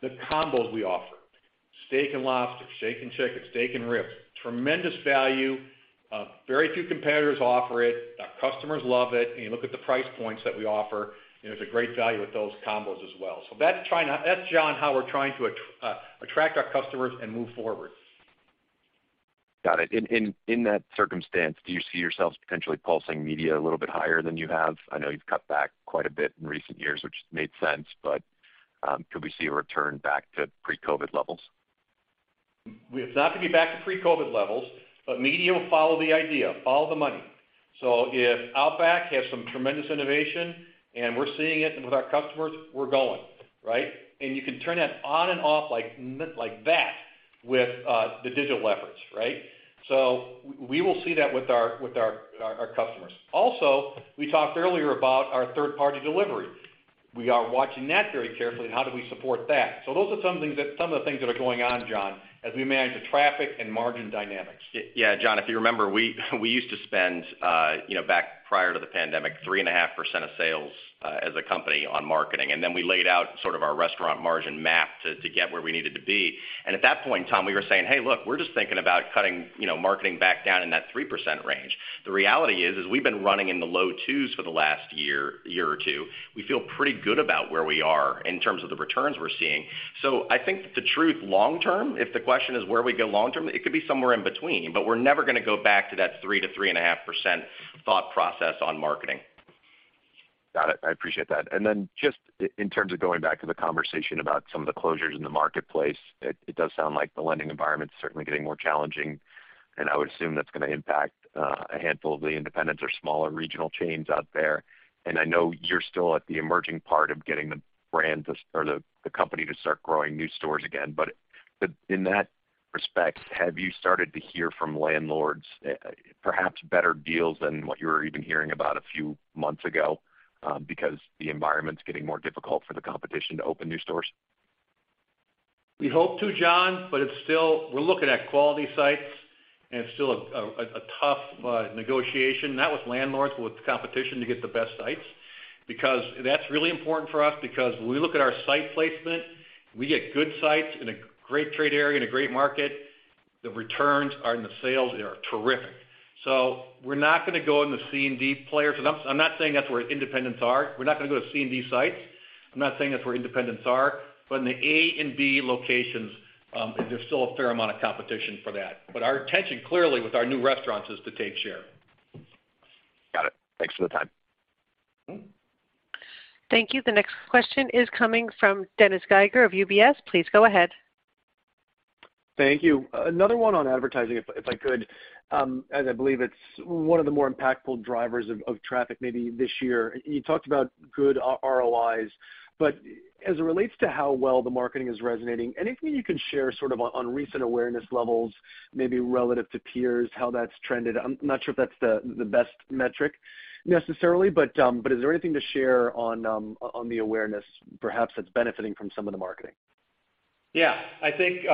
the combos we offer, steak and lobster, steak and chicken, steak and ribs, tremendous value. Very few competitors offer it. Our customers love it. You look at the price points that we offer, and there's a great value with those combos as well. That's, John, how we're trying to attract our customers and move forward. Got it. In that circumstance, do you see yourself potentially pulsing media a little bit higher than you have? I know you've cut back quite a bit in recent years, which made sense, but, could we see a return back to pre-COVID levels? We have not to be back to pre-COVID levels. Media will follow the idea, follow the money. If Outback has some tremendous innovation and we're seeing it with our customers, we're going, right? You can turn that on and off like that with the digital efforts, right? We will see that with our customers. Also, we talked earlier about our third-party delivery. We are watching that very carefully and how do we support that. Those are some of the things that are going on, Jon, as we manage the traffic and margin dynamics. Yeah, John, if you remember, we used to spend, you know, back prior to the pandemic, 3.5% of sales as a company on marketing. Then we laid out sort of our restaurant margin map to get where we needed to be. At that point in time, we were saying, "Hey, look, we're just thinking about cutting, you know, marketing back down in that 3% range." The reality is we've been running in the low twos for the last year or two. We feel pretty good about where we are in terms of the returns we're seeing. I think the truth long term, if the question is where we go long term, it could be somewhere in between, but we're never gonna go back to that 3%-3.5% thought process on marketing. Got it. I appreciate that. Just in terms of going back to the conversation about some of the closures in the marketplace, it does sound like the lending environment's certainly getting more challenging, I would assume that's gonna impact a handful of the independents or smaller regional chains out there. I know you're still at the emerging part of getting the company to start growing new stores again. In that respect, have you started to hear from landlords, perhaps better deals than what you were even hearing about a few months ago, because the environment's getting more difficult for the competition to open new stores? We hope to, John. We're looking at quality sites, and it's still a tough negotiation, not with landlords, but with the competition to get the best sites. Because that's really important for us because when we look at our site placement, we get good sites in a great trade area, in a great market, the returns are, and the sales are terrific. We're not gonna go in the C and D players. I'm not saying that's where independents are. We're not gonna go to C and D sites. I'm not saying that's where independents are. In the A and B locations, there's still a fair amount of competition for that. Our intention clearly with our new restaurants is to take share. Got it. Thanks for the time. Thank you. The next question is coming from Dennis Geiger of UBS. Please go ahead. Thank you. Another one on advertising, if I could, as I believe it's one of the more impactful drivers of traffic maybe this year. You talked about good ROIs, but as it relates to how well the marketing is resonating, anything you can share sort of on recent awareness levels, maybe relative to peers, how that's trended? I'm not sure if that's the best metric necessarily, but is there anything to share on the awareness perhaps that's benefiting from some of the marketing? I think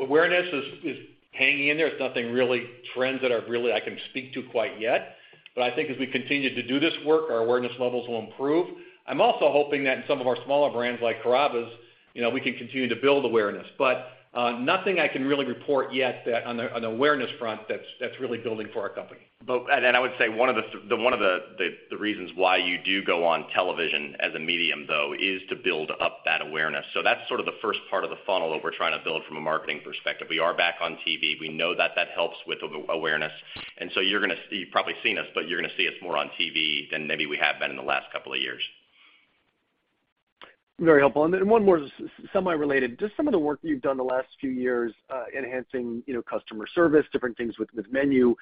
awareness is hanging in there. It's nothing really trends that are really I can speak to quite yet. I think as we continue to do this work, our awareness levels will improve. I'm also hoping that in some of our smaller brands like Carrabba's, you know, we can continue to build awareness. Nothing I can really report yet that on the, on the awareness front that's really building for our company. I would say one of the reasons why you do go on television as a medium though is to build up that awareness. That's sort of the first part of the funnel that we're trying to build from a marketing perspective. We are back on TV. We know that that helps with awareness. You're gonna see, you've probably seen us, but you're gonna see us more on TV than maybe we have been in the last couple of years. Very helpful. Then one more semi-related. Just some of the work you've done the last few years, enhancing, you know, customer service, different things with menu,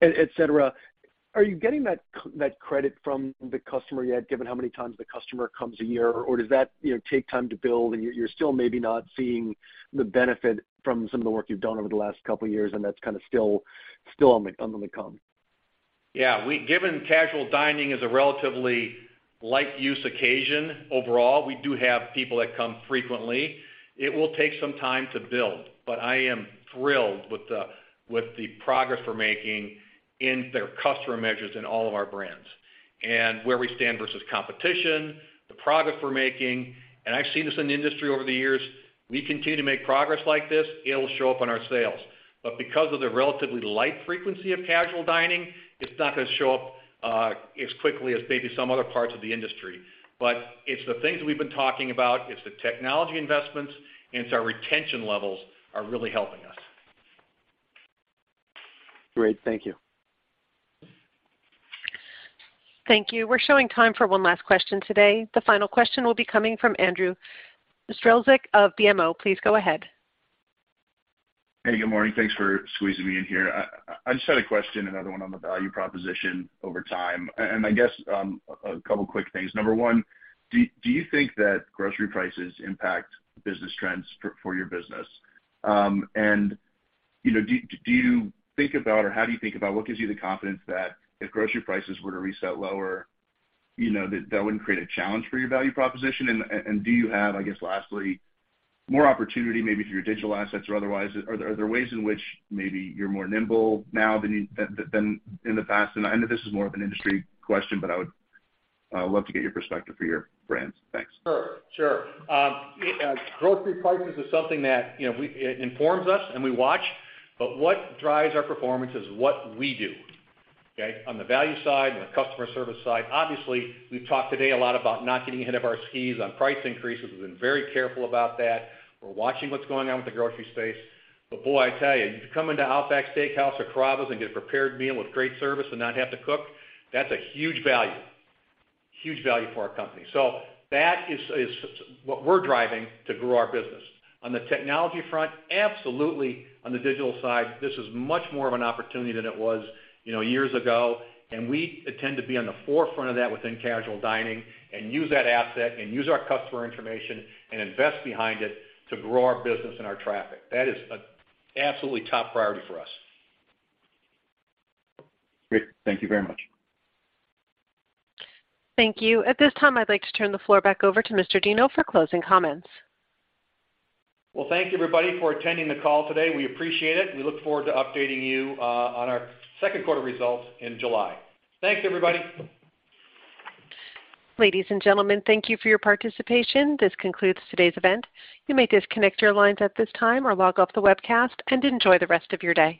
et cetera, are you getting that credit from the customer yet, given how many times the customer comes a year? Does that, you know, take time to build and you're still maybe not seeing the benefit from some of the work you've done over the last couple of years and that's kinda still on the, on the come? Yeah. Given casual dining is a relatively light use occasion overall, we do have people that come frequently, it will take some time to build. I am thrilled with the progress we're making in their customer measures in all of our brands. Where we stand versus competition, the progress we're making, and I've seen this in the industry over the years, we continue to make progress like this, it'll show up in our sales. Because of the relatively light frequency of casual dining, it's not gonna show up as quickly as maybe some other parts of the industry. It's the things we've been talking about. It's the technology investments, and it's our retention levels are really helping us. Great. Thank you. Thank you. We're showing time for one last question today. The final question will be coming from Andrew Strelzik of BMO. Please go ahead. Hey, good morning. Thanks for squeezing me in here. I just had a question, another one on the value proposition over time. I guess, a couple quick things. Number one, do you think that grocery prices impact business trends for your business? You know, do you think about or how do you think about what gives you the confidence that if grocery prices were to reset lower, you know, that wouldn't create a challenge for your value proposition? Do you have, I guess, lastly, more opportunity maybe through your digital assets or otherwise? Are there ways in which maybe you're more nimble now than in the past? I know this is more of an industry question, but I would love to get your perspective for your brands. Thanks. Sure, sure. Grocery prices is something that, you know, it informs us and we watch, but what drives our performance is what we do, okay? On the value side, on the customer service side. Obviously, we've talked today a lot about not getting ahead of our skis on price increases. We've been very careful about that. We're watching what's going on with the grocery space. Boy, I tell you, if you come into Outback Steakhouse or Carrabba's and get a prepared meal with great service and not have to cook, that's a huge value for our company. That is, what we're driving to grow our business. On the technology front, absolutely, on the digital side, this is much more of an opportunity than it was, you know, years ago, and we intend to be on the forefront of that within casual dining and use that asset and use our customer information and invest behind it to grow our business and our traffic. That is absolutely top priority for us. Great. Thank you very much. Thank you. At this time, I'd like to turn the floor back over to Mr. Deno for closing comments. Thank you, everybody, for attending the call today. We appreciate it. We look forward to updating you on our second quarter results in July. Thanks, everybody. Ladies and gentlemen, thank you for your participation. This concludes today's event. You may disconnect your lines at this time or log off the webcast and enjoy the rest of your day.